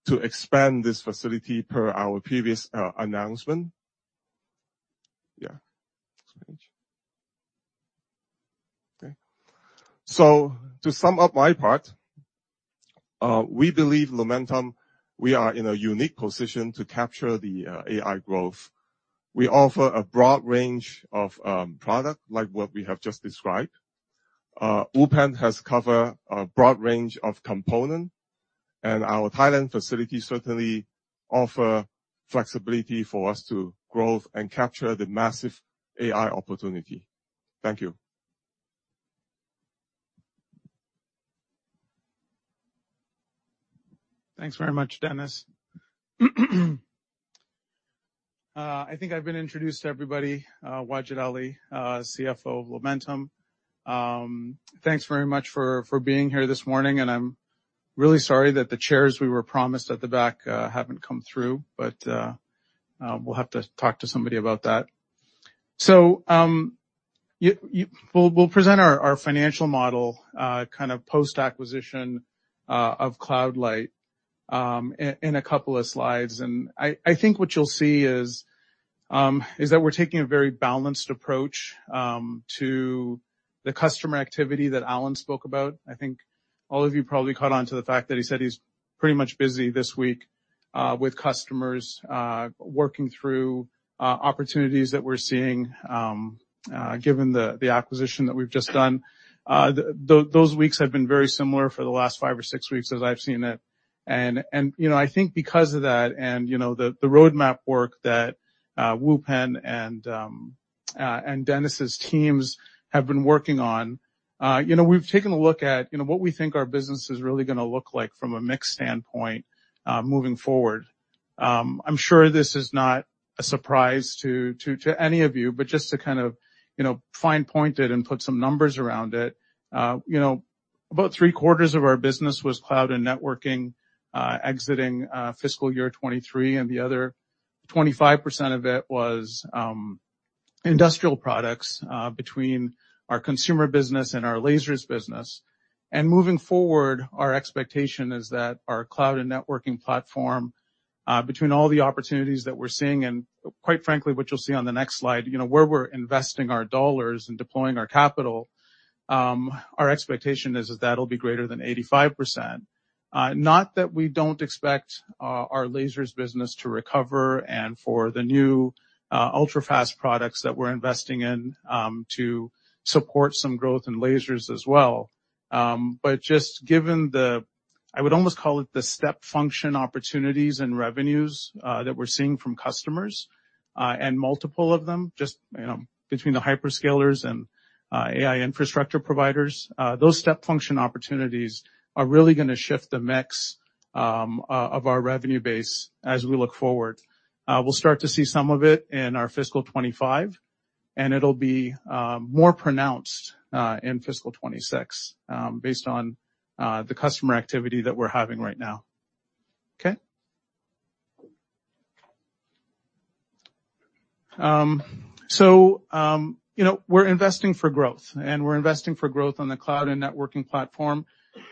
to expand this facility per our previous announcement. Yeah, next page. Okay. So to sum up my part, we believe Lumentum, we are in a unique position to capture the AI growth. We offer a broad range of product, like what we have just described. Wupen has covered a broad range of components, and our Thailand facility certainly offers flexibility for us to grow and capture the massive AI opportunity. Thank you. Thanks very much, Dennis. I think I've been introduced to everybody, Wajid Ali, CFO of Lumentum. Thanks very much for being here this morning, and I'm really sorry that the chairs we were promised at the back haven't come through, but we'll have to talk to somebody about that. So, we'll present our financial model kind of post-acquisition of CloudLight in a couple of slides. And I think what you'll see is that we're taking a very balanced approach to the customer activity that Alan spoke about. I think all of you probably caught on to the fact that he said he's pretty much busy this week with customers working through opportunities that we're seeing given the acquisition that we've just done. Those weeks have been very similar for the last five or six weeks as I've seen it. And you know, I think because of that and, you know, the roadmap work that Wupen Yuen and Dennis Tong's teams have been working on, you know, we've taken a look at, you know, what we think our business is really gonna look like from a mix standpoint, moving forward. I'm sure this is not a surprise to any of you, but just to kind of, you know, fine-point it and put some numbers around it, you know, about three-quarters of our business was cloud and networking, exiting fiscal year 2023, and the other 25% of it was industrial products, between our consumer business and our lasers business. Moving forward, our expectation is that our cloud and networking platform, between all the opportunities that we're seeing, and quite frankly, what you'll see on the next slide, you know, where we're investing our dollars and deploying our capital, our expectation is that that'll be greater than 85%. Not that we don't expect our lasers business to recover and for the new ultra-fast products that we're investing in to support some growth in lasers as well. But just given the step function opportunities and revenues that we're seeing from customers, and multiple of them, just, you know, between the hyperscalers and AI infrastructure providers, those step function opportunities are really gonna shift the mix of our revenue base as we look forward. We'll start to see some of it in our fiscal 2025 and it'll be more pronounced in fiscal 2026, based on the customer activity that we're having right now. Okay? So, you know, we're investing for growth, and we're investing for growth on the cloud and networking platform.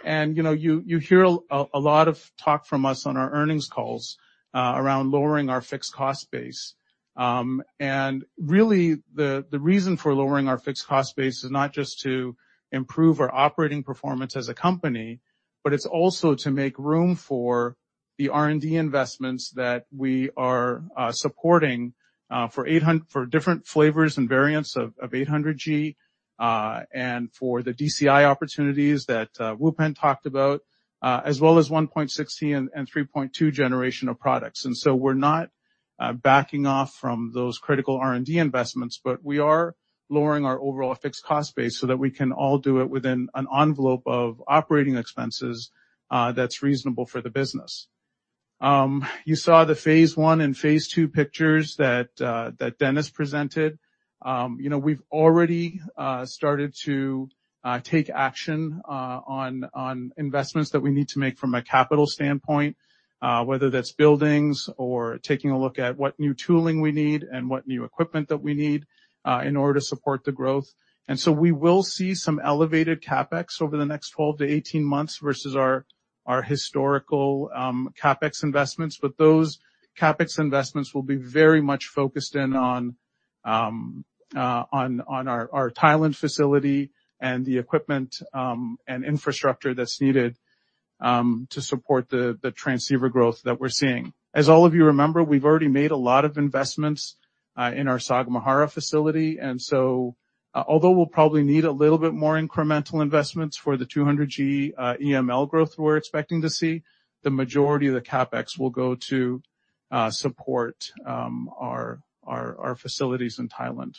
And, you know, you hear a lot of talk from us on our earnings calls around lowering our fixed cost base. And really, the reason for lowering our fixed cost base is not just to improve our operating performance as a company, but it's also to make room for the R&D investments that we are supporting for different flavors and variants of 800G, and for the DCI opportunities that Wupen Yuen talked about, as well as 1.6 and 3.2 generation of products. So we're not backing off from those critical R&D investments, but we are lowering our overall fixed cost base so that we can all do it within an envelope of operating expenses that's reasonable for the business. You saw the phase one and phase two pictures that Dennis presented. You know, we've already started to take action on investments that we need to make from a capital standpoint, whether that's buildings or taking a look at what new tooling we need and what new equipment that we need in order to support the growth. And so we will see some elevated CapEx over the next 12-18 months versus our historical CapEx investments, but those CapEx investments will be very much focused in on our Thailand facility and the equipment and infrastructure that's needed to support the transceiver growth that we're seeing. As all of you remember, we've already made a lot of investments in our Sagamihara facility, and so, although we'll probably need a little bit more incremental investments for the 200 G EML growth we're expecting to see, the majority of the CapEx will go to support our facilities in Thailand.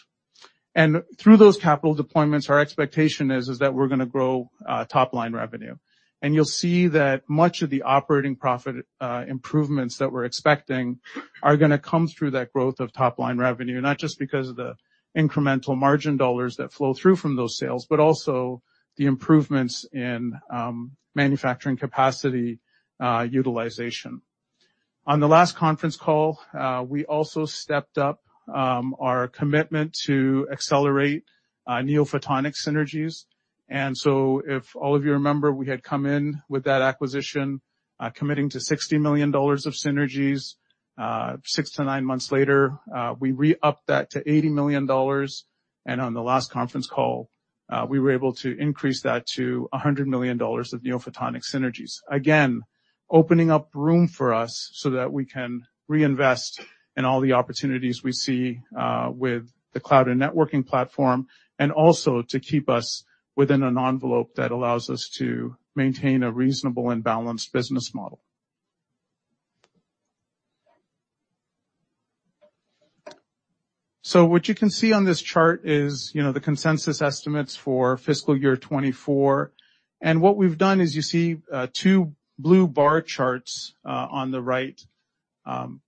And through those capital deployments, our expectation is that we're gonna grow top-line revenue. And you'll see that much of the operating profit improvements that we're expecting are gonna come through that growth of top-line revenue, not just because of the incremental margin dollars that flow through from those sales, but also the improvements in manufacturing capacity utilization. On the last conference call, we also stepped up our commitment to accelerate NeoPhotonic synergies. So if all of you remember, we had come in with that acquisition, committing to $60 million of synergies. Six to 9 months later, we re-upped that to $80 million, and on the last conference call, we were able to increase that to $100 million of NeoPhotonics synergies. Again, opening up room for us so that we can reinvest in all the opportunities we see, with the cloud and networking platform, and also to keep us within an envelope that allows us to maintain a reasonable and balanced business model. So what you can see on this chart is, you know, the consensus estimates for fiscal year 2024. And what we've done is you see, two blue bar charts, on the right.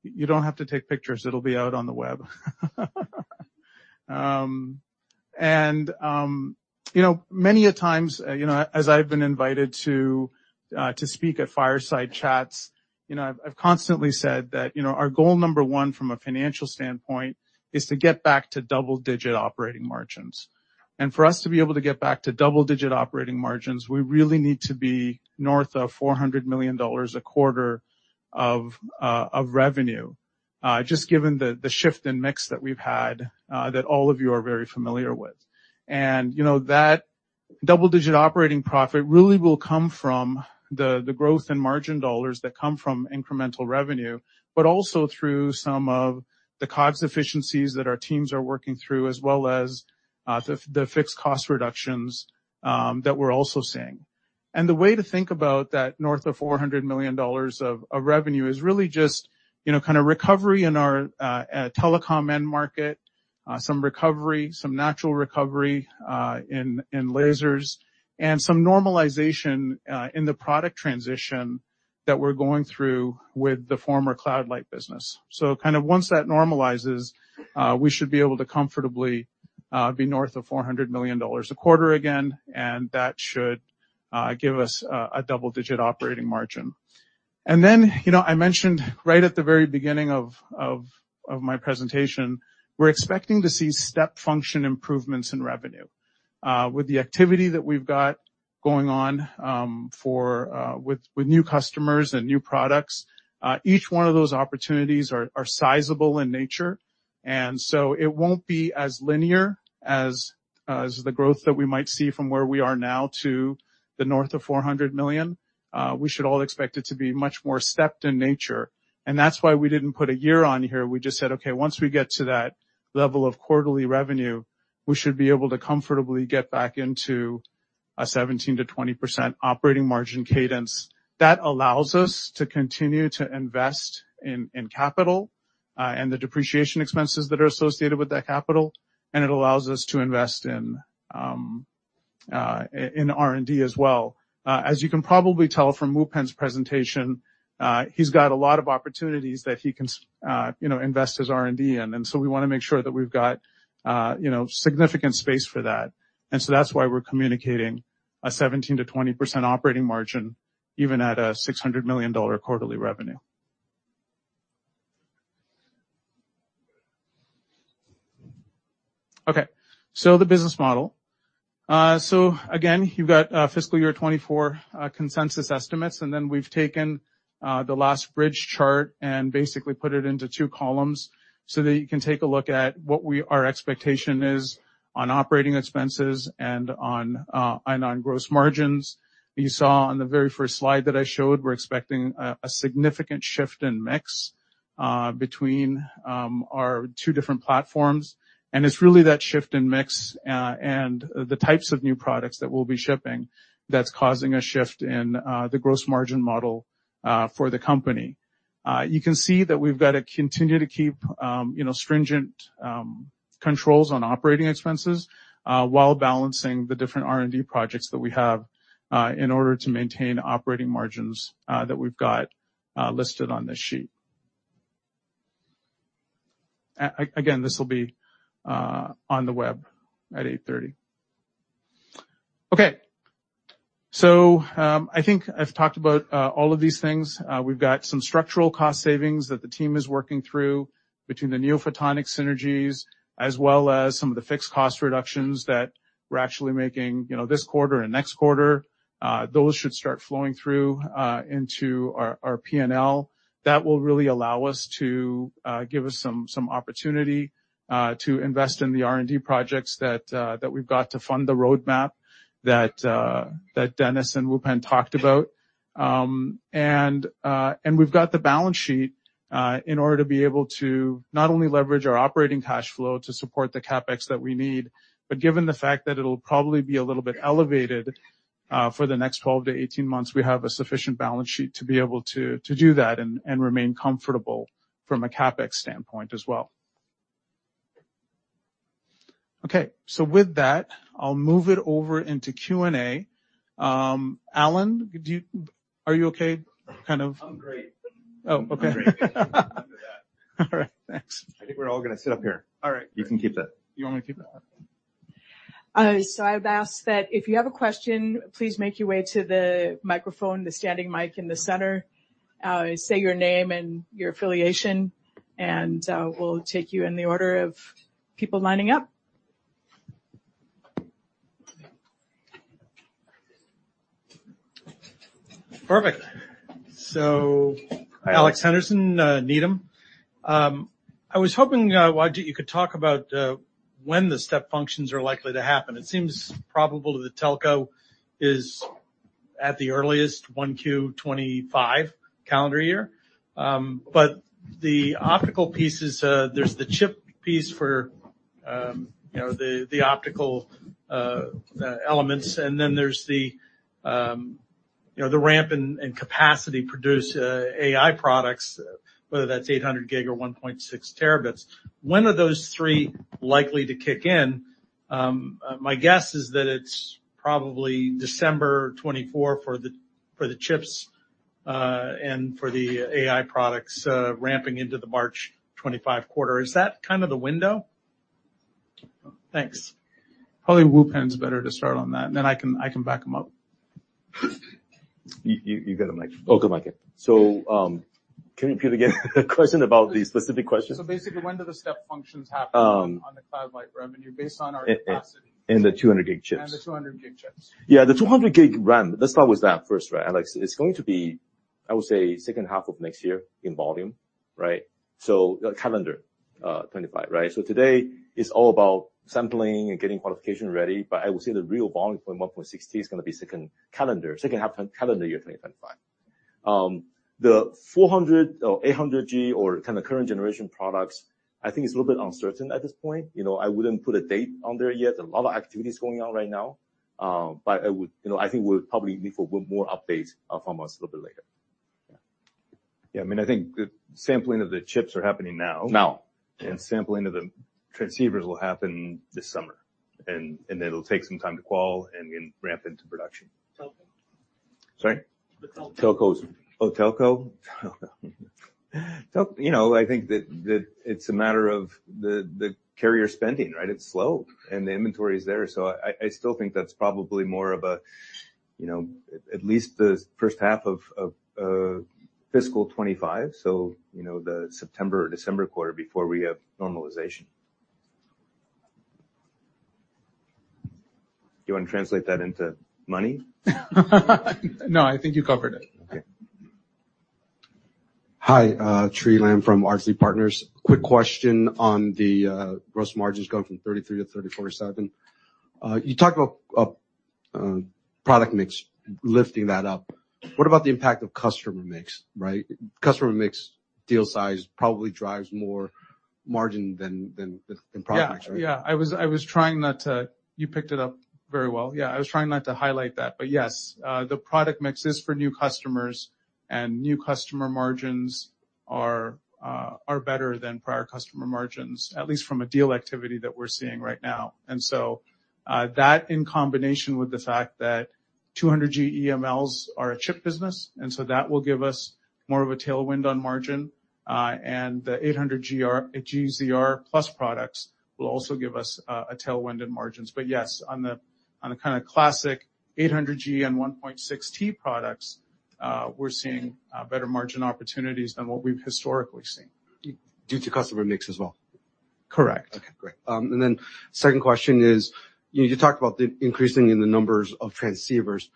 You don't have to take pictures. It'll be out on the web. And, you know, many a times, you know, as I've been invited to speak at fireside chats, you know, I've constantly said that, you know, our goal number one from a financial standpoint is to get back to double-digit operating margins. And for us to be able to get back to double-digit operating margins, we really need to be north of $400 million a quarter of revenue, just given the shift in mix that we've had, that all of you are very familiar with. And, you know, that double-digit operating profit really will come from the growth and margin dollars that come from incremental revenue, but also through some of the COGS efficiencies that our teams are working through, as well as the fixed cost reductions that we're also seeing. The way to think about that north of $400 million of revenue is really just, you know, kind of recovery in our telecom end market, some recovery, some natural recovery, in lasers, and some normalization, in the product transition that we're going through with the former CloudLight business. So kind of once that normalizes, we should be able to comfortably, be north of $400 million a quarter again, and that should, give us, a double-digit operating margin. And then, you know, I mentioned right at the very beginning of my presentation, we're expecting to see step function improvements in revenue. With the activity that we've got going on, for with new customers and new products, each one of those opportunities are sizable in nature, and so it won't be as linear as the growth that we might see from where we are now to the north of $400 million. We should all expect it to be much more stepped in nature, and that's why we didn't put a year on here. We just said, okay, once we get to that level of quarterly revenue, we should be able to comfortably get back into a 17%-20% operating margin cadence. That allows us to continue to invest in capital and the depreciation expenses that are associated with that capital, and it allows us to invest in R&D as well. As you can probably tell from Wupen Yuen's presentation, he's got a lot of opportunities that he can, you know, invest his R&D in. And so we want to make sure that we've got, you know, significant space for that. And so that's why we're communicating a 17%-20% operating margin, even at a $600 million quarterly revenue. Okay, so the business model. So again, you've got fiscal year 2024 consensus estimates, and then we've taken the last bridge chart and basically put it into two columns so that you can take a look at what our expectation is on operating expenses and on gross margins. You saw on the very first slide that I showed, we're expecting a significant shift in mix between our two different platforms, and it's really that shift in mix and the types of new products that we'll be shipping that's causing a shift in the gross margin model for the company. You can see that we've got to continue to keep you know stringent controls on operating expenses while balancing the different R&D projects that we have in order to maintain operating margins that we've got listed on this sheet. Again, this will be on the web at 8:30. Okay. So, I think I've talked about all of these things. We've got some structural cost savings that the team is working through between the NeoPhotonics synergies, as well as some of the fixed cost reductions that we're actually making, you know, this quarter and next quarter. Those should start flowing through into our P&L. That will really allow us to give us some opportunity to invest in the R&D projects that we've got to fund the roadmap that Dennis and Wupen talked about. We've got the balance sheet in order to be able to not only leverage our operating cash flow to support the CapEx that we need, but given the fact that it'll probably be a little bit elevated for the next 12-18 months, we have a sufficient balance sheet to be able to do that and remain comfortable from a CapEx standpoint as well. Okay, so with that, I'll move it over into Q&A. Alan, are you okay? Kind of- I'm great. Oh, okay. I'm great. All right, thanks. I think we're all going to sit up here. All right. You can keep that. You want me to keep that? So I've asked that if you have a question, please make your way to the microphone, the standing mic in the center. Say your name and your affiliation, and we'll take you in the order of people lining up. Perfect. So Alex Henderson, Needham. I was hoping, Wajid, you could talk about when the step functions are likely to happen. It seems probable that the telco is, at the earliest, 1Q-25 calendar year. But the optical pieces, there's the chip piece for, you know, the, the optical elements, and then there's the, you know, the ramp and capacity produce, AI products, whether that's 800 gig or 1.6 terabits. When are those three likely to kick in? My guess is that it's probably December 2024 for the, for the chips, and for the AI products, ramping into the March 2025 quarter. Is that kind of the window? Thanks. Probably, Wupen Yuen is better to start on that, and then I can-- I can back him up. You got a mic. Oh, good mic. So, can you repeat again the question about the specific questions? Basically, when do the step functions happen? Um. on the cloud, like, revenue, based on our capacity? In the 200 gig chips. The 200 gig chips. Yeah, the 200 gig ramp, let's start with that first, right, Alex? It's going to be, I would say, second half of next year in volume, right? So calendar 2025, right? So today is all about sampling and getting qualification ready, but I would say the real volume for 1.6 is going to be second calendar, second half calendar year 2025. The 400 or 800 G or kind of current generation products, I think it's a little bit uncertain at this point. You know, I wouldn't put a date on there yet. A lot of activities going on right now, but I would... You know, I think we'll probably need for more update from us a little bit later. Yeah. I mean, I think the sampling of the chips are happening now. Now. Sampling of the transceivers will happen this summer, and it'll take some time to qual and then ramp into production. Telco? Sorry? The telco. Telcos. Oh, telco? You know, I think that it's a matter of the carrier spending, right? It's slow, and the inventory is there. So I still think that's probably more of a, you know, at least the first half of fiscal 2025, so you know, the September or December quarter before we have normalization. You want to translate that into money? No, I think you covered it. Okay. Hi, Tri Lam from Arcsight Partners. Quick question on the gross margins going from 33%-34.7%. You talked about product mix lifting that up. What about the impact of customer mix, right? Customer mix, deal size, probably drives more margin than product mix, right? Yeah, yeah. I was trying not to... You picked it up very well. Yeah, I was trying not to highlight that, but yes, the product mix is for new customers... and new customer margins are better than prior customer margins, at least from a deal activity that we're seeing right now. And so, that in combination with the fact that 200G EMLs are a chip business, and so that will give us more of a tailwind on margin, and the 800G ZR+ products will also give us a tailwind in margins. But yes, on the kind of classic 800G and 1.6T products, we're seeing better margin opportunities than what we've historically seen. Due to customer mix as well? Correct. Okay, great. And then second question is, you know, you talked about the increasing in the numbers of transceivers,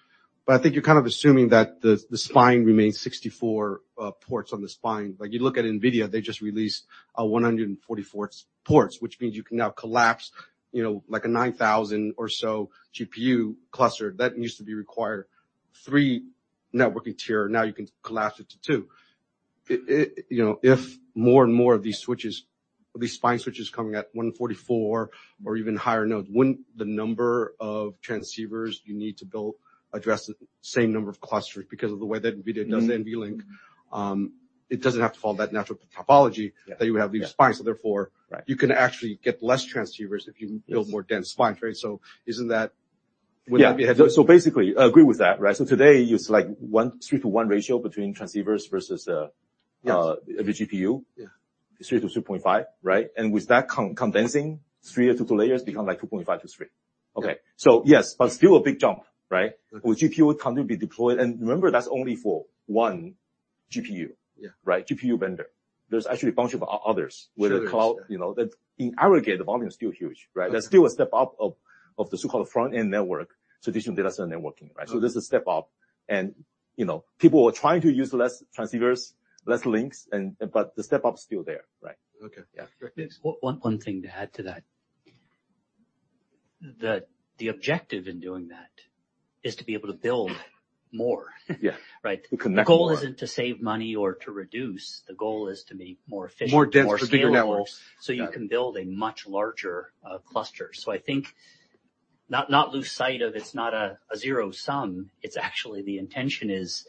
but I think you're kind of assuming that the spine remains 64 ports on the spine. Like, you look at NVIDIA, they just released 144 ports, which means you can now collapse, you know, like a 9,000 or so GPU cluster. That used to be required 3 networking tier, now you can collapse it to 2. You know, if more and more of these switches, of these spine switches coming at 144 or even higher nodes, wouldn't the number of transceivers you need to build address the same number of clusters? Because of the way that NVIDIA does NVLink, it doesn't have to follow that natural topology- Yeah. that you would have these spines. So therefore Right. You can actually get less transceivers if you build more dense spines, right? So isn't that... Would that be- Yeah. So basically, I agree with that, right? So today, it's like a 3-to-1 ratio between transceivers versus Yes. -the GPU. Yeah. 3-2.5, right? And with that condensing, 3-2 layers become, like, 2.5-3. Okay. So yes, but still a big jump, right? Okay. With GPU continue to be deployed, and remember, that's only for one GPU. Yeah. Right? GPU vendor. There's actually a bunch of others. Sure. whether called... You know, that in aggregate, the volume is still huge, right? Yeah. There's still a step up of the so-called front-end network, traditional data center networking, right? Okay. This is a step up, and you know, people are trying to use less transceivers, less links, but the step up is still there, right? Okay. Yeah. One thing to add to that. The objective in doing that is to be able to build more. Yeah. Right? Connect more. The goal isn't to save money or to reduce. The goal is to be more efficient. More dense for bigger networks... more scalable, so you can build a much larger cluster. So I think not lose sight of. It's not a zero sum, it's actually the intention is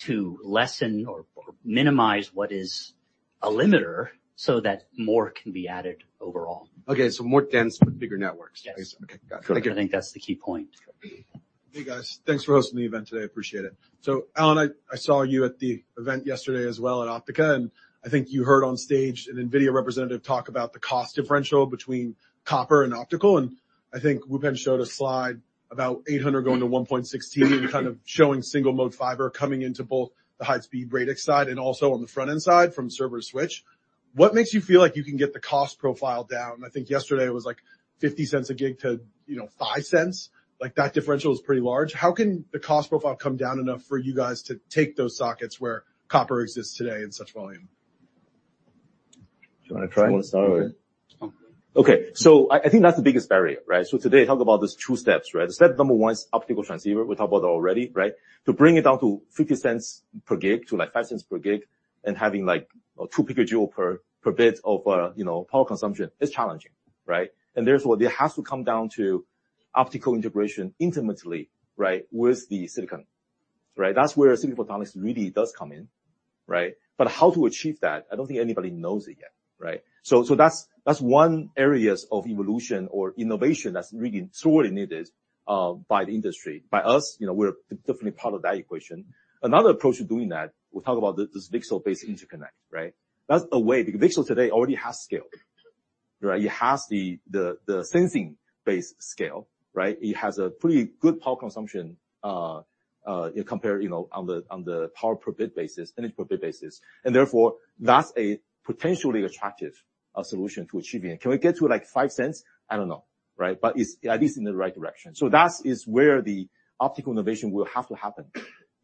to lessen or minimize what is a limiter so that more can be added overall. Okay, so more dense, but bigger networks. Yes. Okay, got it. I think that's the key point. Hey, guys. Thanks for hosting the event today. I appreciate it. So, Alan, I, I saw you at the event yesterday as well at Optica, and I think you heard on stage an NVIDIA representative talk about the cost differential between copper and optical. And I think Wupen showed a slide about 800 going to 1.6 T and kind of showing single-mode fiber coming into both the high-speed Radix side and also on the front-end side from server switch. What makes you feel like you can get the cost profile down? I think yesterday it was like $0.50 a gig to, you know, $0.05. Like, that differential is pretty large. How can the cost profile come down enough for you guys to take those sockets where copper exists today in such volume? Do you want to try? Do you want to start with it? Okay, so I think that's the biggest barrier, right? So today, talk about these two steps, right? The step number one is optical transceiver. We talked about that already, right? To bring it down to $0.50 per gig to, like, $0.05 per gig and having, like, 2 picojoule per bit of, you know, power consumption is challenging, right? And therefore, it has to come down to optical integration intimately, right, with the silicon. Right? That's where silicon photonics really does come in, right? But how to achieve that, I don't think anybody knows it yet, right? So, so that's, that's one areas of evolution or innovation that's really sorely needed by the industry. By us, you know, we're definitely part of that equation. Another approach to doing that, we talk about the, this VCSEL-based interconnect, right? That's a way, because VCSEL today already has scale. Right? It has the sensing-based scale, right? It has a pretty good power consumption compared, you know, on the power-per-bit basis, energy-per-bit basis. And therefore, that's a potentially attractive solution to achieving it. Can we get to, like, $0.05? I don't know. Right? But it's at least in the right direction. So that is where the optical innovation will have to happen,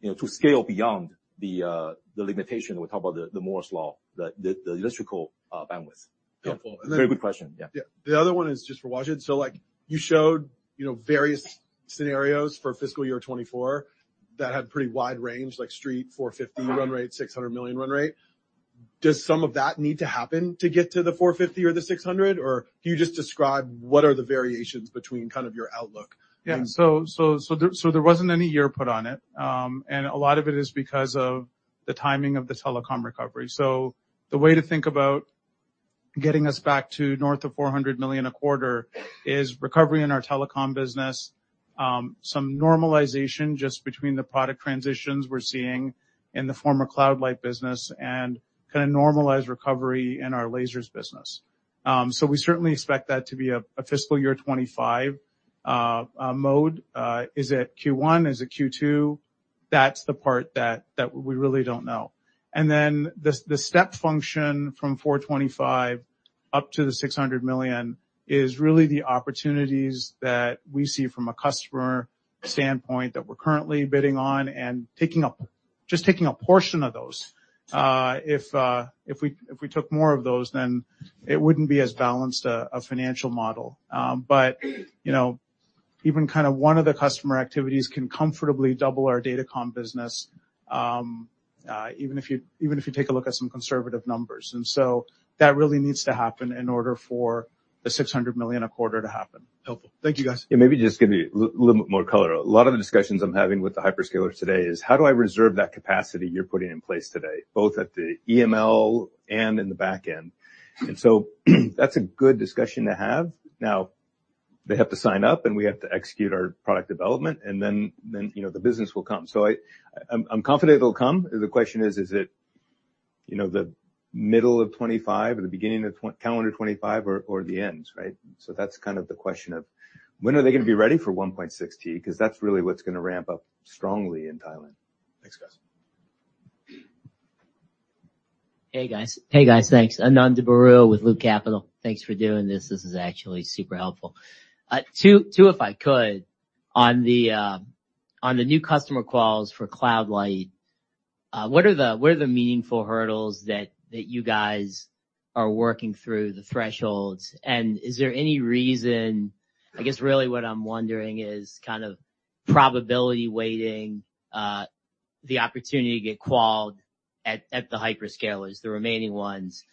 you know, to scale beyond the limitation. We talk about the Moore's law, the electrical bandwidth. Yeah. Very good question. Yeah. Yeah. The other one is just for Wajid. So, like, you showed, you know, various scenarios for fiscal year 2024 that had pretty wide range, like street $450 run rate, $600 million run rate. Does some of that need to happen to get to the $450 or the $600, or can you just describe what are the variations between kind of your outlook? Yeah. So there wasn't any year put on it, and a lot of it is because of the timing of the telecom recovery. So the way to think about getting us back to north of $400 million a quarter is recovery in our telecom business, some normalization just between the product transitions we're seeing in the former CloudLight business, and kind of normalized recovery in our lasers business. So we certainly expect that to be a fiscal year 2025 mode. Is it Q1? Is it Q2? That's the part that we really don't know. And then the step function from $425 million up to the $600 million is really the opportunities that we see from a customer standpoint that we're currently bidding on and taking a—just taking a portion of those. If we took more of those, then it wouldn't be as balanced a financial model. But you know, even kind of one of the customer activities can comfortably double our datacom business, even if you take a look at some conservative numbers. And so that really needs to happen in order for the $600 million a quarter to happen. Helpful. Thank you, guys. Yeah, maybe just give you a little bit more color. A lot of the discussions I'm having with the hyperscalers today is how do I reserve that capacity you're putting in place today, both at the EML and in the back end? And so that's a good discussion to have. Now, they have to sign up, and we have to execute our product development, and then, then, you know, the business will come. So I- I'm, I'm confident it'll come. The question is, is it, you know, the middle of 2025 or the beginning of tw- calendar 2025 or, or the end, right? So that's kind of the question of when are they going to be ready for 1.6T, because that's really what's going to ramp up strongly in Thailand. Thanks, guys. Hey, guys. Hey, guys, thanks. Ananda Baruah with Loop Capital. Thanks for doing this. This is actually super helpful. Two, if I could. On the new customer quals for CloudLight, what are the meaningful hurdles that you guys are working through the thresholds? And is there any reason... I guess, really what I'm wondering is kind of probability weighting the opportunity to get qualed at the hyperscalers, the remaining ones,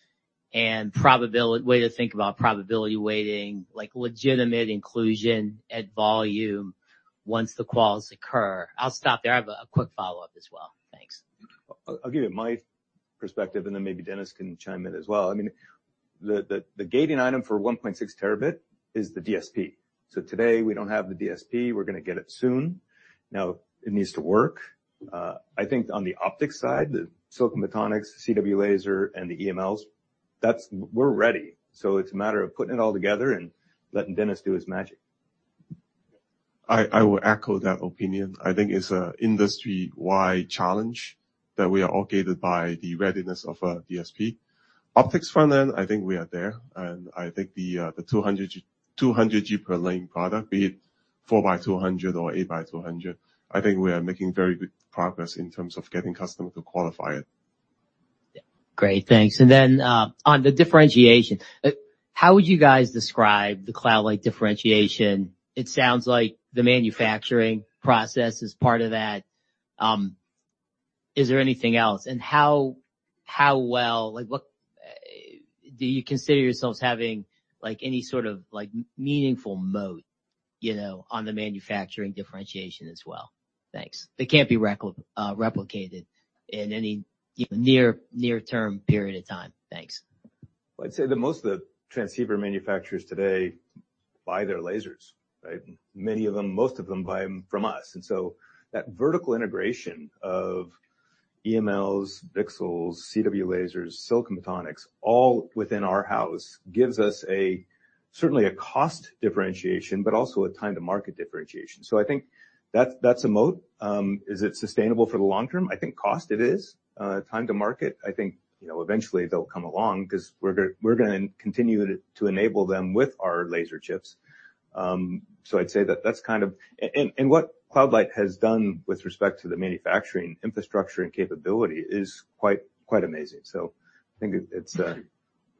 and probability weighting, way to think about probability weighting, like legitimate inclusion at volume once the quals occur. I'll stop there. I have a quick follow-up as well. Thanks. I'll give you my perspective, and then maybe Dennis can chime in as well. I mean, the gating item for 1.6 terabit is the DSP. So today, we don't have the DSP. We're going to get it soon. Now, it needs to work. I think on the optics side, the silicon photonics, CW laser, and the EMLs, that's—we're ready. So it's a matter of putting it all together and letting Dennis do his magic. I, I will echo that opinion. I think it's an industry-wide challenge that we are all gated by the readiness of a DSP. Optics front end, I think we are there, and I think the 200 G per lane product, be it 4x200 or 8x200, I think we are making very good progress in terms of getting customers to qualify it. Great, thanks. And then, on the differentiation, how would you guys describe the CloudLight differentiation? It sounds like the manufacturing process is part of that. Is there anything else? And how well—like, what... Do you consider yourselves having, like, any sort of, like, meaningful moat, you know, on the manufacturing differentiation as well? Thanks. It can't be replicated in any near-term period of time. Thanks. Well, I'd say that most of the transceiver manufacturers today buy their lasers, right? Many of them, most of them, buy them from us. And so that vertical integration of EMLs, VCSELs, CW lasers, silicon photonics, all within our house, gives us a certainly a cost differentiation, but also a time to market differentiation. So I think that's a moat. Is it sustainable for the long term? I think cost, it is. Time to market, I think, you know, eventually they'll come along because we're gonna continue to enable them with our laser chips. So I'd say that's kind of, and what CloudLight has done with respect to the manufacturing infrastructure and capability is quite amazing. So I think it's a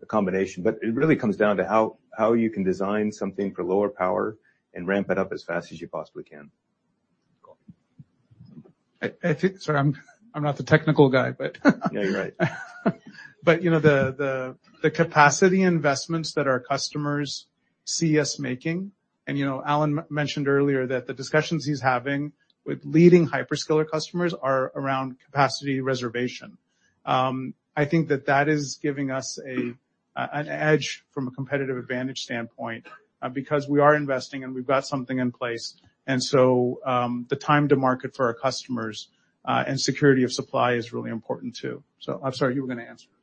combination, but it really comes down to how you can design something for lower power and ramp it up as fast as you possibly can. I think. Sorry, I'm not the technical guy, but. Yeah, you're right. But, you know, the capacity investments that our customers see us making, and, you know, Alan mentioned earlier that the discussions he's having with leading hyperscaler customers are around capacity reservation. I think that that is giving us an edge from a competitive advantage standpoint, because we are investing, and we've got something in place. And so, the time to market for our customers and security of supply is really important, too. So I'm sorry, you were going to answer the rest. I had to say that.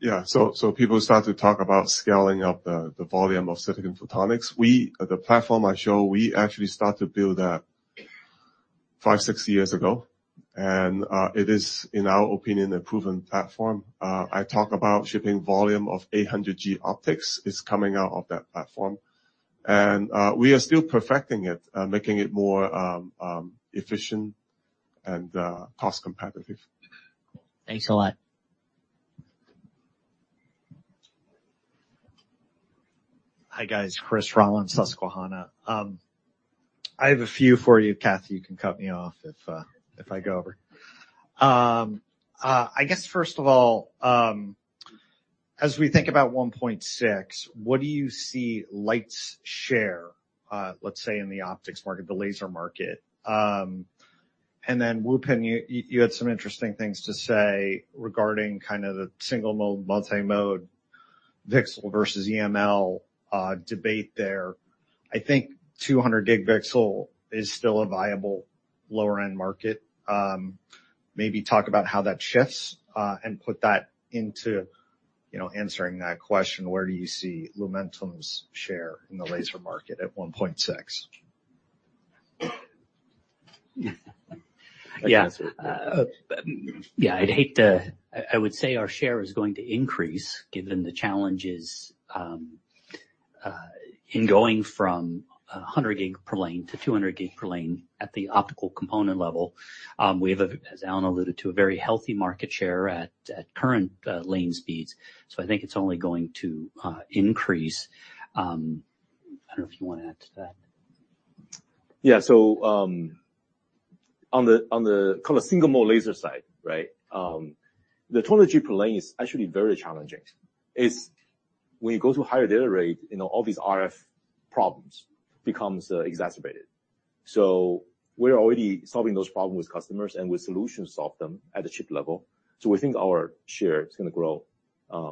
Yeah. So people start to talk about scaling up the volume of silicon photonics. We, at the platform I show, we actually start to build that 5-6 years ago, and it is, in our opinion, a proven platform. I talk about shipping volume of 800G optics is coming out of that platform. And we are still perfecting it, making it more efficient and cost competitive. Thanks a lot. Hi, guys. Chris Rolland, Susquehanna. I have a few for you, Kathy. You can cut me off if I go over. I guess, first of all, as we think about 1.6, what do you see Lumentum's share, let's say, in the optics market, the laser market? And then, Wupen, you had some interesting things to say regarding kind of the single-mode, multimode VCSEL versus EML debate there. I think 200 gig VCSEL is still a viable lower-end market. Maybe talk about how that shifts, and put that into, you know, answering that question: where do you see Lumentum's share in the laser market at 1.6? Yeah. Yeah, I'd hate to—I would say our share is going to increase given the challenges in going from 100 gig per lane to 200 gig per lane at the optical component level. We have, as Alan alluded to, a very healthy market share at current lane speeds, so I think it's only going to increase. I don't know if you want to add to that.... Yeah, so, on the kind of single mode laser side, right? The 100G lane is actually very challenging. It's when you go to a higher data rate, you know, all these RF problems becomes exacerbated. So we're already solving those problems with customers, and we solution solve them at the chip level. So we think our share is gonna grow,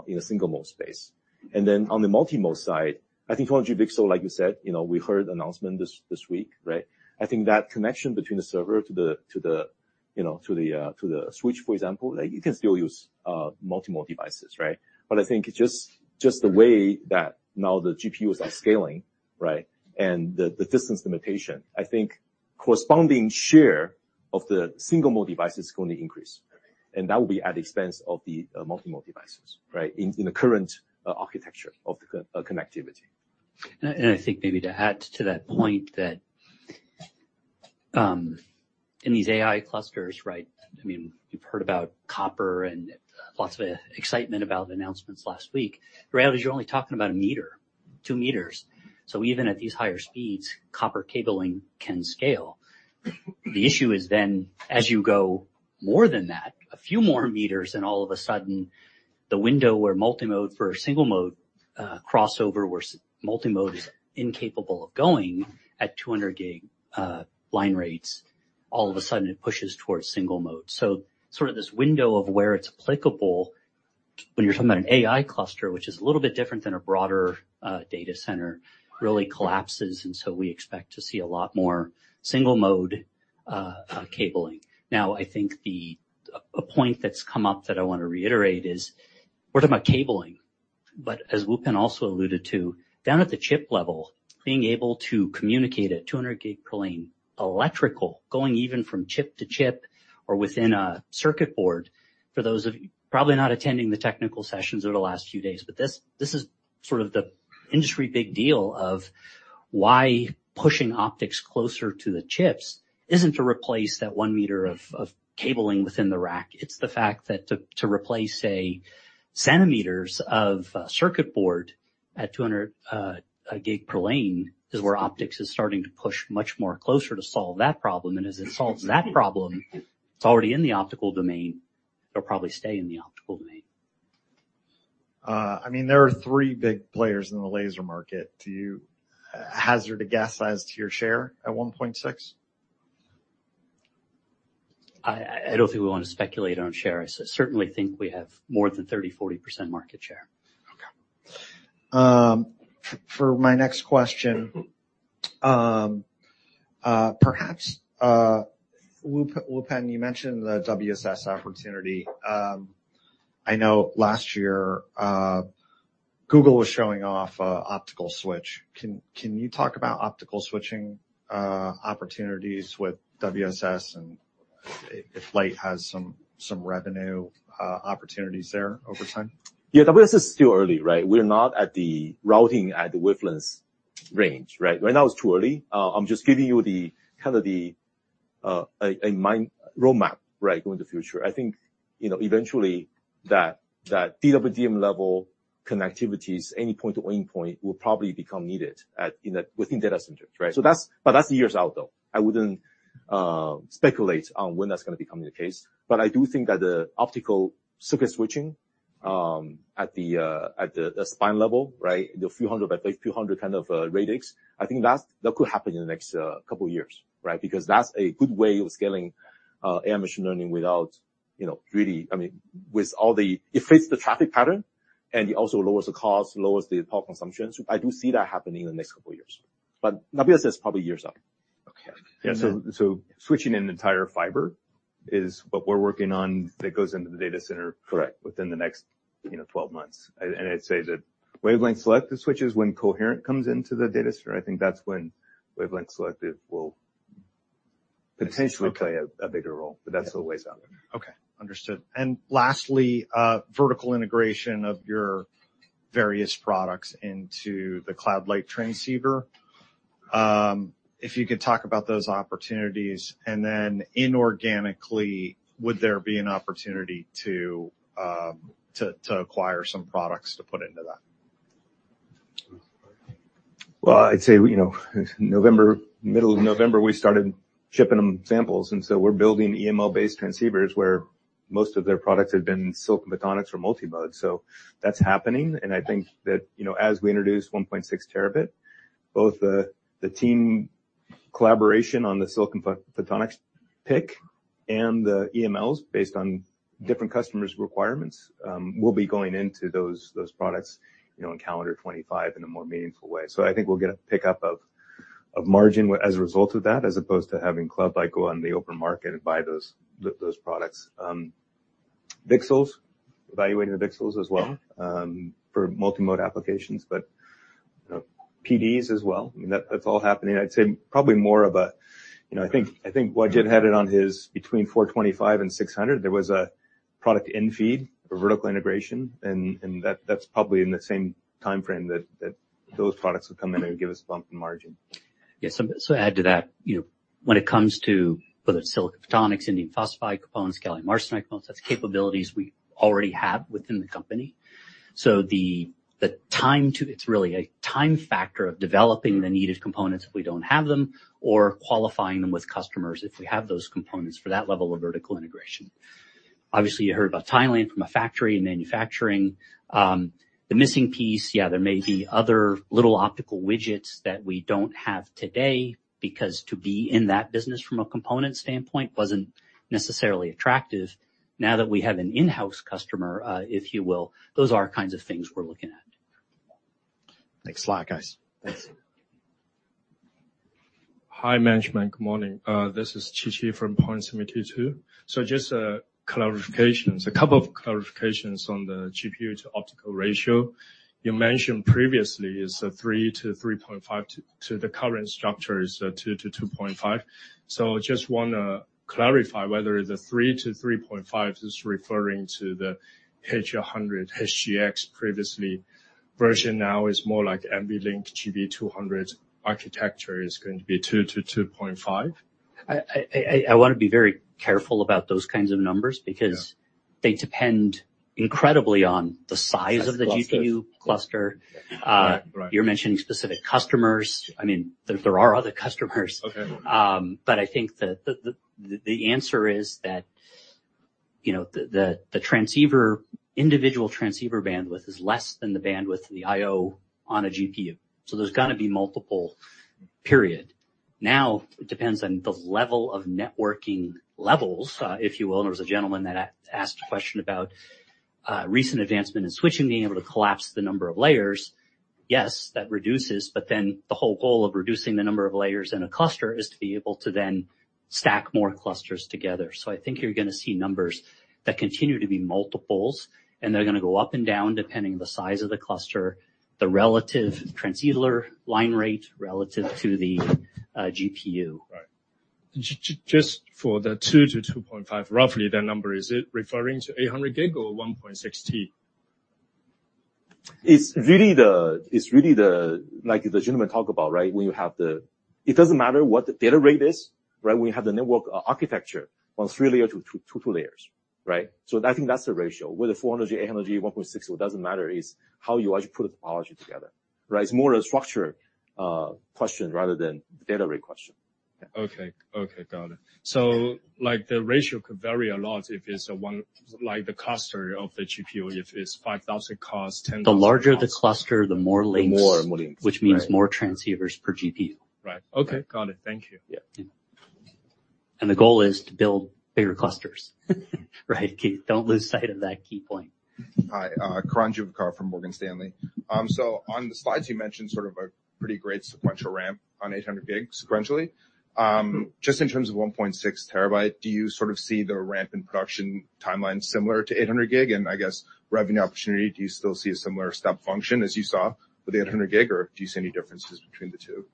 in a single mode space. And then on the multi-mode side, I think 100G, like you said, you know, we heard the announcement this week, right? I think that connection between the server to the, to the, you know, to the switch, for example, like, you can still use multi-mode devices, right? But I think just the way that now the GPUs are scaling, right, and the distance limitation, I think corresponding share of the single-mode device is going to increase, and that will be at the expense of the multi-mode devices, right? In the current architecture of the connectivity. And I think maybe to add to that point, that, in these AI clusters, right, I mean, you've heard about copper and lots of excitement about the announcements last week. The reality is you're only talking about a meter, 2 meters, so even at these higher speeds, copper cabling can scale. The issue is then, as you go more than that, a few more meters, and all of a sudden, the window where multimode for a single-mode, crossover, where multimode is incapable of going at 200 gig line rates, all of a sudden it pushes towards single-mode. So sort of this window of where it's applicable when you're talking about an AI cluster, which is a little bit different than a broader data center, really collapses, and so we expect to see a lot more single-mode cabling. Now, I think a point that's come up that I want to reiterate is, we're talking about cabling, but as Wupen also alluded to, down at the chip level, being able to communicate at 200 gig per lane, electrical, going even from chip to chip or within a circuit board, for those of you probably not attending the technical sessions over the last few days, but this, this is sort of the industry big deal of why pushing optics closer to the chips isn't to replace that one meter of cabling within the rack. It's the fact that to replace, say, centimeters of circuit board at 200 gig per lane, is where optics is starting to push much more closer to solve that problem. As it solves that problem, it's already in the optical domain. It'll probably stay in the optical domain. I mean, there are three big players in the laser market. Do you hazard a guess as to your share at 1.6? I don't think we want to speculate on share. I certainly think we have more than 30%-40% market share. Okay. For my next question, perhaps Wupen, you mentioned the WSS opportunity. I know last year Google was showing off an optical switch. Can you talk about optical switching opportunities with WSS, and if CloudLight has some revenue opportunities there over time? Yeah, WSS is still early, right? We're not at the routing at the wavelengths range, right? Right now, it's too early. I'm just giving you the kind of the, a mind roadmap, right, going the future. I think, you know, eventually, that, that DWDM level connectivities, any point to any point, will probably become needed at, within data centers, right? So that's-- but that's years out, though. I wouldn't speculate on when that's gonna become the case, but I do think that the optical circuit switching, at the, at the spine level, right, the few hundred, I think few hundred kind of, radix, I think that, that could happen in the next, couple of years, right? Because that's a good way of scaling, AI machine learning without, you know, really... I mean, it fits the traffic pattern, and it also lowers the cost, lowers the power consumption. So I do see that happening in the next couple of years, but WSS is probably years out. Okay. Yeah, so switching an entire fiber is what we're working on that goes into the data center. Correct Within the next, you know, 12 months. And, and I'd say that wavelength selective switches, when coherent comes into the data center, I think that's when wavelength selective will potentially play a bigger role, but that's still ways out. Okay, understood. And lastly, vertical integration of your various products into the CloudLight transceiver. If you could talk about those opportunities, and then inorganically, would there be an opportunity to acquire some products to put into that? Well, I'd say, you know, November, middle of November, we started shipping them samples, and so we're building EML-based transceivers, where most of their products had been silicon photonics or multi-mode. So that's happening, and I think that, you know, as we introduce 1.6 terabit, both the team collaboration on the silicon photonics PIC and the EMLs, based on different customers' requirements, will be going into those products, you know, in calendar 2025 in a more meaningful way. So I think we'll get a pickup of margin with as a result of that, as opposed to having CloudLight, like, go on the open market and buy those products. VCSELs, evaluating the VCSELs as well, for multi-mode applications, but, you know, PDs as well. I mean, that's all happening. I'd say probably more of a, you know, I think, I think Wajid had it on his between 425 and 600. There was a product end feed, a vertical integration, and that, that's probably in the same timeframe that those products would come in and give us a bump in margin. Yes, so to add to that. When it comes to whether it's Silicon Photonics, indium phosphide components, gallium arsenide components, that's capabilities we already have within the company. So the time it's really a time factor of developing the needed components if we don't have them, or qualifying them with customers if we have those components for that level of vertical integration. Obviously, you heard about Thailand from a factory and manufacturing. The missing piece, yeah, there may be other little optical widgets that we don't have today, because to be in that business from a component standpoint wasn't necessarily attractive. Now that we have an in-house customer, if you will, those are kinds of things we're looking at. Next slide, guys. Thanks. Hi, management. Good morning. This is Qiqi from Point72. So just, clarifications, a couple of clarifications on the GPU to optical ratio. You mentioned previously, it's a 3-3.5, to, to the current structure is 2-2.5. So just wanna clarify whether the 3-3.5 is referring to the H100 HGX previously. Version now is more like NVLink GB200 architecture is going to be 2-2.5? I wanna be very careful about those kinds of numbers because- Yeah. They depend incredibly on the size of the GPU. Clusters. cluster. Right, right. You're mentioning specific customers. I mean, there are other customers. Okay. But I think that the answer is that, you know, the transceiver, individual transceiver bandwidth is less than the bandwidth of the IO on a GPU, so there's gonna be multiple. Now, it depends on the level of networking levels, if you will. There was a gentleman that asked a question about recent advancement in switching, being able to collapse the number of layers. Yes, that reduces, but then the whole goal of reducing the number of layers in a cluster is to be able to then stack more clusters together. So I think you're gonna see numbers that continue to be multiples, and they're gonna go up and down, depending on the size of the cluster, the relative transceiver line rate relative to the, GPU. Right. Just, just for the 2-2.5, roughly, that number, is it referring to 800 gig or 1.6 T? It's really the—like the gentleman talk about, right? When you have the... It doesn't matter what the data rate is, right? When you have the network architecture on 3 layer to 2, 2 layers, right? So I think that's the ratio. Whether 400, 800G, 1.6, it doesn't matter. It's how you actually put the topology together, right? It's more a structure question rather than data rate question. Okay. Okay, got it. So, like, the ratio could vary a lot if it's a one—like, the cluster of the GPU, if it's 5,000 cost, 10,000- The larger the cluster, the more links. The more links. Which means more transceivers per GPU. Right. Okay, got it. Thank you. Yeah. The goal is to build bigger clusters. Right, Keith, don't lose sight of that key point. Hi, Karan Juvekar from Morgan Stanley. So on the slides, you mentioned sort of a pretty great sequential ramp on 800G sequentially. Just in terms of 1.6 terabyte, do you sort of see the ramp in production timeline similar to 800G? And I guess, revenue opportunity, do you still see a similar step function as you saw with the 800G, or do you see any differences between the two?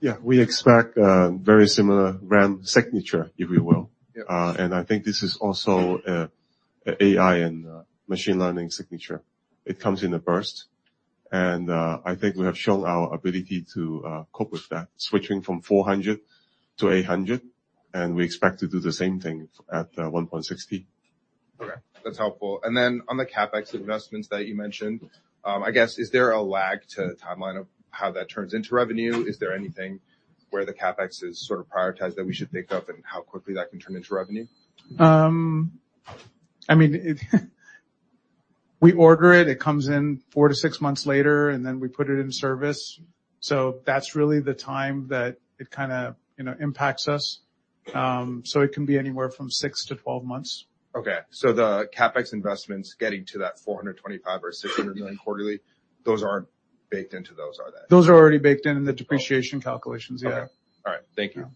Yeah, we expect a very similar ramp signature, if you will. Yes. And I think this is also an AI and machine learning signature. It comes in a burst, and I think we have shown our ability to cope with that, switching from 400 to 800, and we expect to do the same thing at 1.6 T. Okay, that's helpful. And then on the CapEx investments that you mentioned, I guess, is there a lag to the timeline of how that turns into revenue? Is there anything where the CapEx is sort of prioritized that we should think of and how quickly that can turn into revenue? I mean, we order it, it comes in four-six months later, and then we put it in service. So that's really the time that it kinda, you know, impacts us. So it can be anywhere from 6-12 months. Okay. So the CapEx investments, getting to that $425 million or $600 million quarterly, those aren't baked into those, are they? Those are already baked in, in the depreciation calculations, yeah. All right. Thank you.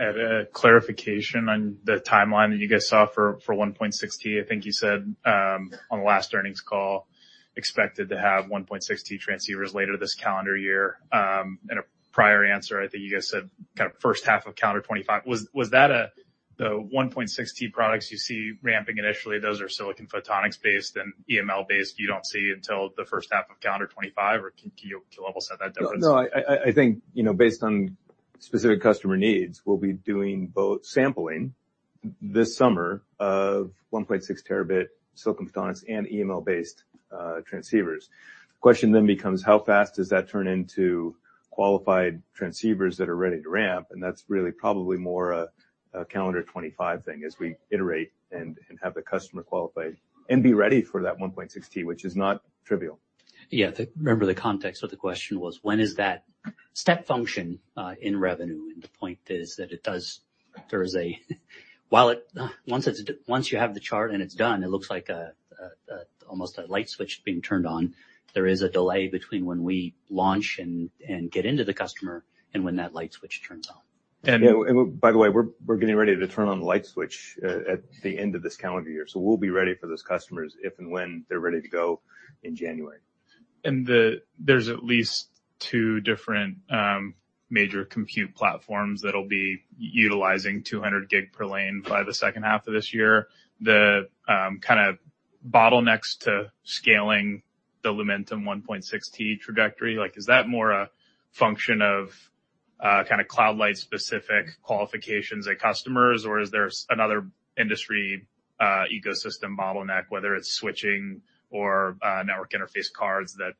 Yeah. I have a clarification on the timeline that you guys saw for 1.6 T. I think you said on the last earnings call, expected to have 1.6 T transceivers later this calendar year. In a prior answer, I think you guys said, kinda first half of calendar 2025. Was that a the 1.6 T products you see ramping initially, those are silicon photonics based and EML based, you don't see until the first half of calendar 2025, or can you level set that difference? No, I think, you know, based on specific customer needs, we'll be doing both sampling this summer of 1.6 terabit silicon photonics and EML-based transceivers. The question then becomes: How fast does that turn into qualified transceivers that are ready to ramp? And that's really probably more a calendar 2025 thing, as we iterate and have the customer qualify and be ready for that 1.6 T, which is not trivial. Yeah, remember, the context of the question was, when is that step function in revenue? And the point is that it does. Once you have the chart and it's done, it looks like almost a light switch being turned on. There is a delay between when we launch and get into the customer and when that light switch turns on. And by the way, we're getting ready to turn on the light switch at the end of this calendar year. So we'll be ready for those customers if and when they're ready to go in January. And there's at least 2 different major compute platforms that'll be utilizing 200 gig per lane by the second half of this year. The kind of bottlenecks to scaling the Lumentum 1.6 T trajectory, like, is that more a function of kind of CloudLight specific qualifications at customers? Or is there another industry ecosystem bottleneck, whether it's switching or network interface cards that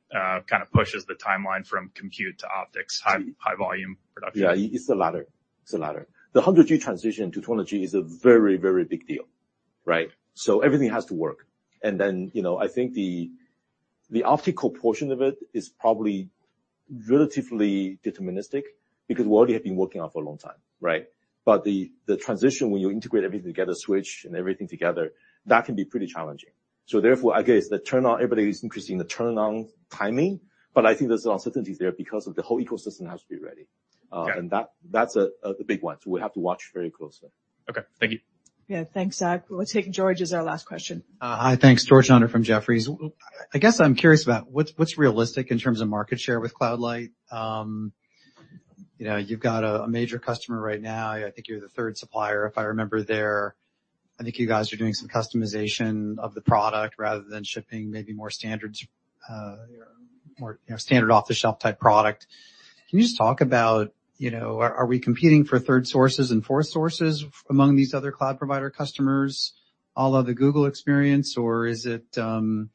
kind of pushes the timeline from compute to optics high volume production? Yeah, it's the latter. It's the latter. The 100G transition to 200G is a very, very big deal, right? So everything has to work. And then, you know, I think the, the optical portion of it is probably relatively deterministic because we already have been working on it for a long time, right? But the, the transition, when you integrate everything together, switch and everything together, that can be pretty challenging. So therefore, I guess, the turn on, everybody is increasing the turn-on timing, but I think there's uncertainties there because of the whole ecosystem has to be ready. Got it. And that's the big one, so we'll have to watch very closely. Okay, thank you. Yeah, thanks, Zach. We'll take George as our last question. Hi. Thanks, George Notter from Jefferies. I guess I'm curious about what's realistic in terms of market share with CloudLight? You know, you've got a major customer right now. I think you're the third supplier, if I remember there. I think you guys are doing some customization of the product rather than shipping maybe more standards, or, you know, standard off-the-shelf type product. Can you just talk about, you know, are we competing for third sources and fourth sources among these other cloud provider customers, all of the Google experience? Or is it, you know,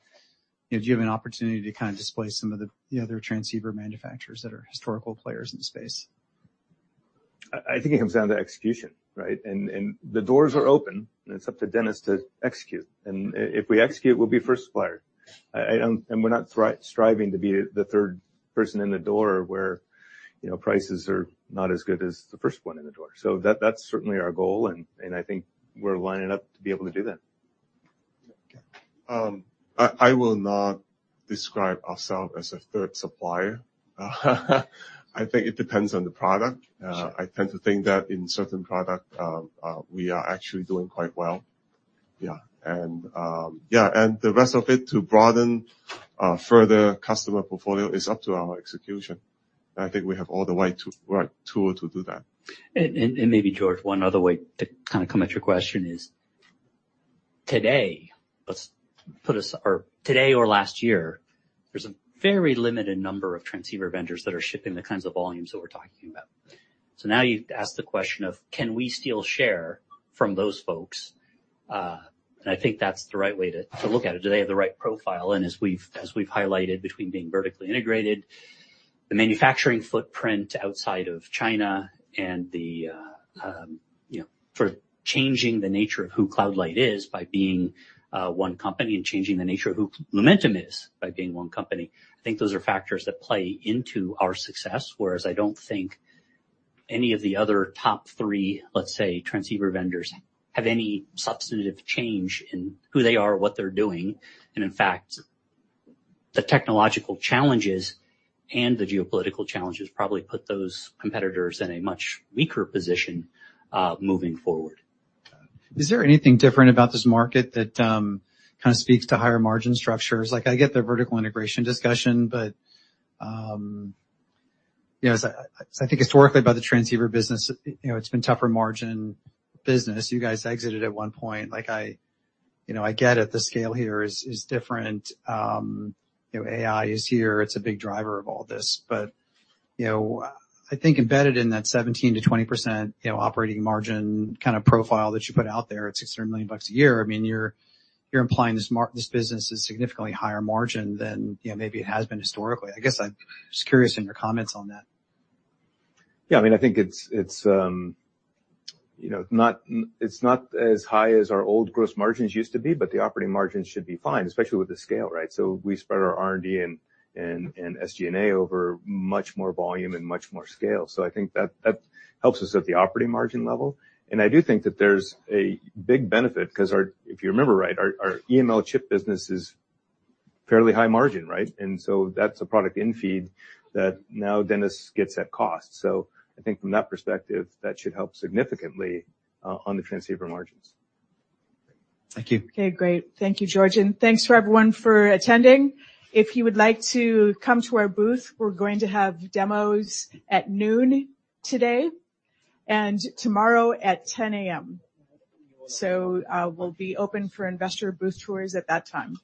do you have an opportunity to kind of display some of the other transceiver manufacturers that are historical players in the space? I think it comes down to execution, right? And the doors are open, and it's up to Dennis to execute. And if we execute, we'll be first supplier. And we're not striving to be the third person in the door, where, you know, prices are not as good as the first one in the door. So that's certainly our goal, and I think we're lining up to be able to do that. I will not describe ourselves as a third supplier. I think it depends on the product. Sure. I tend to think that in certain product, we are actually doing quite well. Yeah. And, yeah, and the rest of it, to broaden, further customer portfolio is up to our execution, and I think we have all the way to, right, tool to do that. And maybe, George, one other way to kind of come at your question is, today or last year, there's a very limited number of transceiver vendors that are shipping the kinds of volumes that we're talking about. So now you've asked the question of: Can we steal share from those folks? And I think that's the right way to look at it. Do they have the right profile? And as we've highlighted, between being vertically integrated, the manufacturing footprint outside of China, and you know, for changing the nature of who CloudLight is by being one company, and changing the nature of who Lumentum is by being one company. I think those are factors that play into our success, whereas I don't think any of the other top three, let's say, transceiver vendors, have any substantive change in who they are or what they're doing. In fact, the technological challenges and the geopolitical challenges probably put those competitors in a much weaker position moving forward. Is there anything different about this market that kind of speaks to higher margin structures? Like, I get the vertical integration discussion, but you know, as I think historically about the transceiver business, you know, it's been tougher margin business. You guys exited at one point. Like, I you know, I get it, the scale here is different. You know, AI is here, it's a big driver of all this. But you know, I think embedded in that 17%-20% operating margin kind of profile that you put out there at $600 million a year, I mean, you're implying this business is significantly higher margin than you know, maybe it has been historically. I guess I'm just curious in your comments on that. Yeah, I mean, I think it's, you know, not as high as our old gross margins used to be, but the operating margin should be fine, especially with the scale, right? So we spread our R&D and SG&A over much more volume and much more scale. So I think that helps us at the operating margin level. And I do think that there's a big benefit, 'cause our... If you remember, right, our EML chip business is fairly high margin, right? And so that's a product in-feed that now Dennis gets at cost. So I think from that perspective, that should help significantly on the transceiver margins. Thank you. Okay, great. Thank you, George, and thanks for everyone for attending. If you would like to come to our booth, we're going to have demos at noon today, and tomorrow at 10:00 A.M. So, we'll be open for investor booth tours at that time.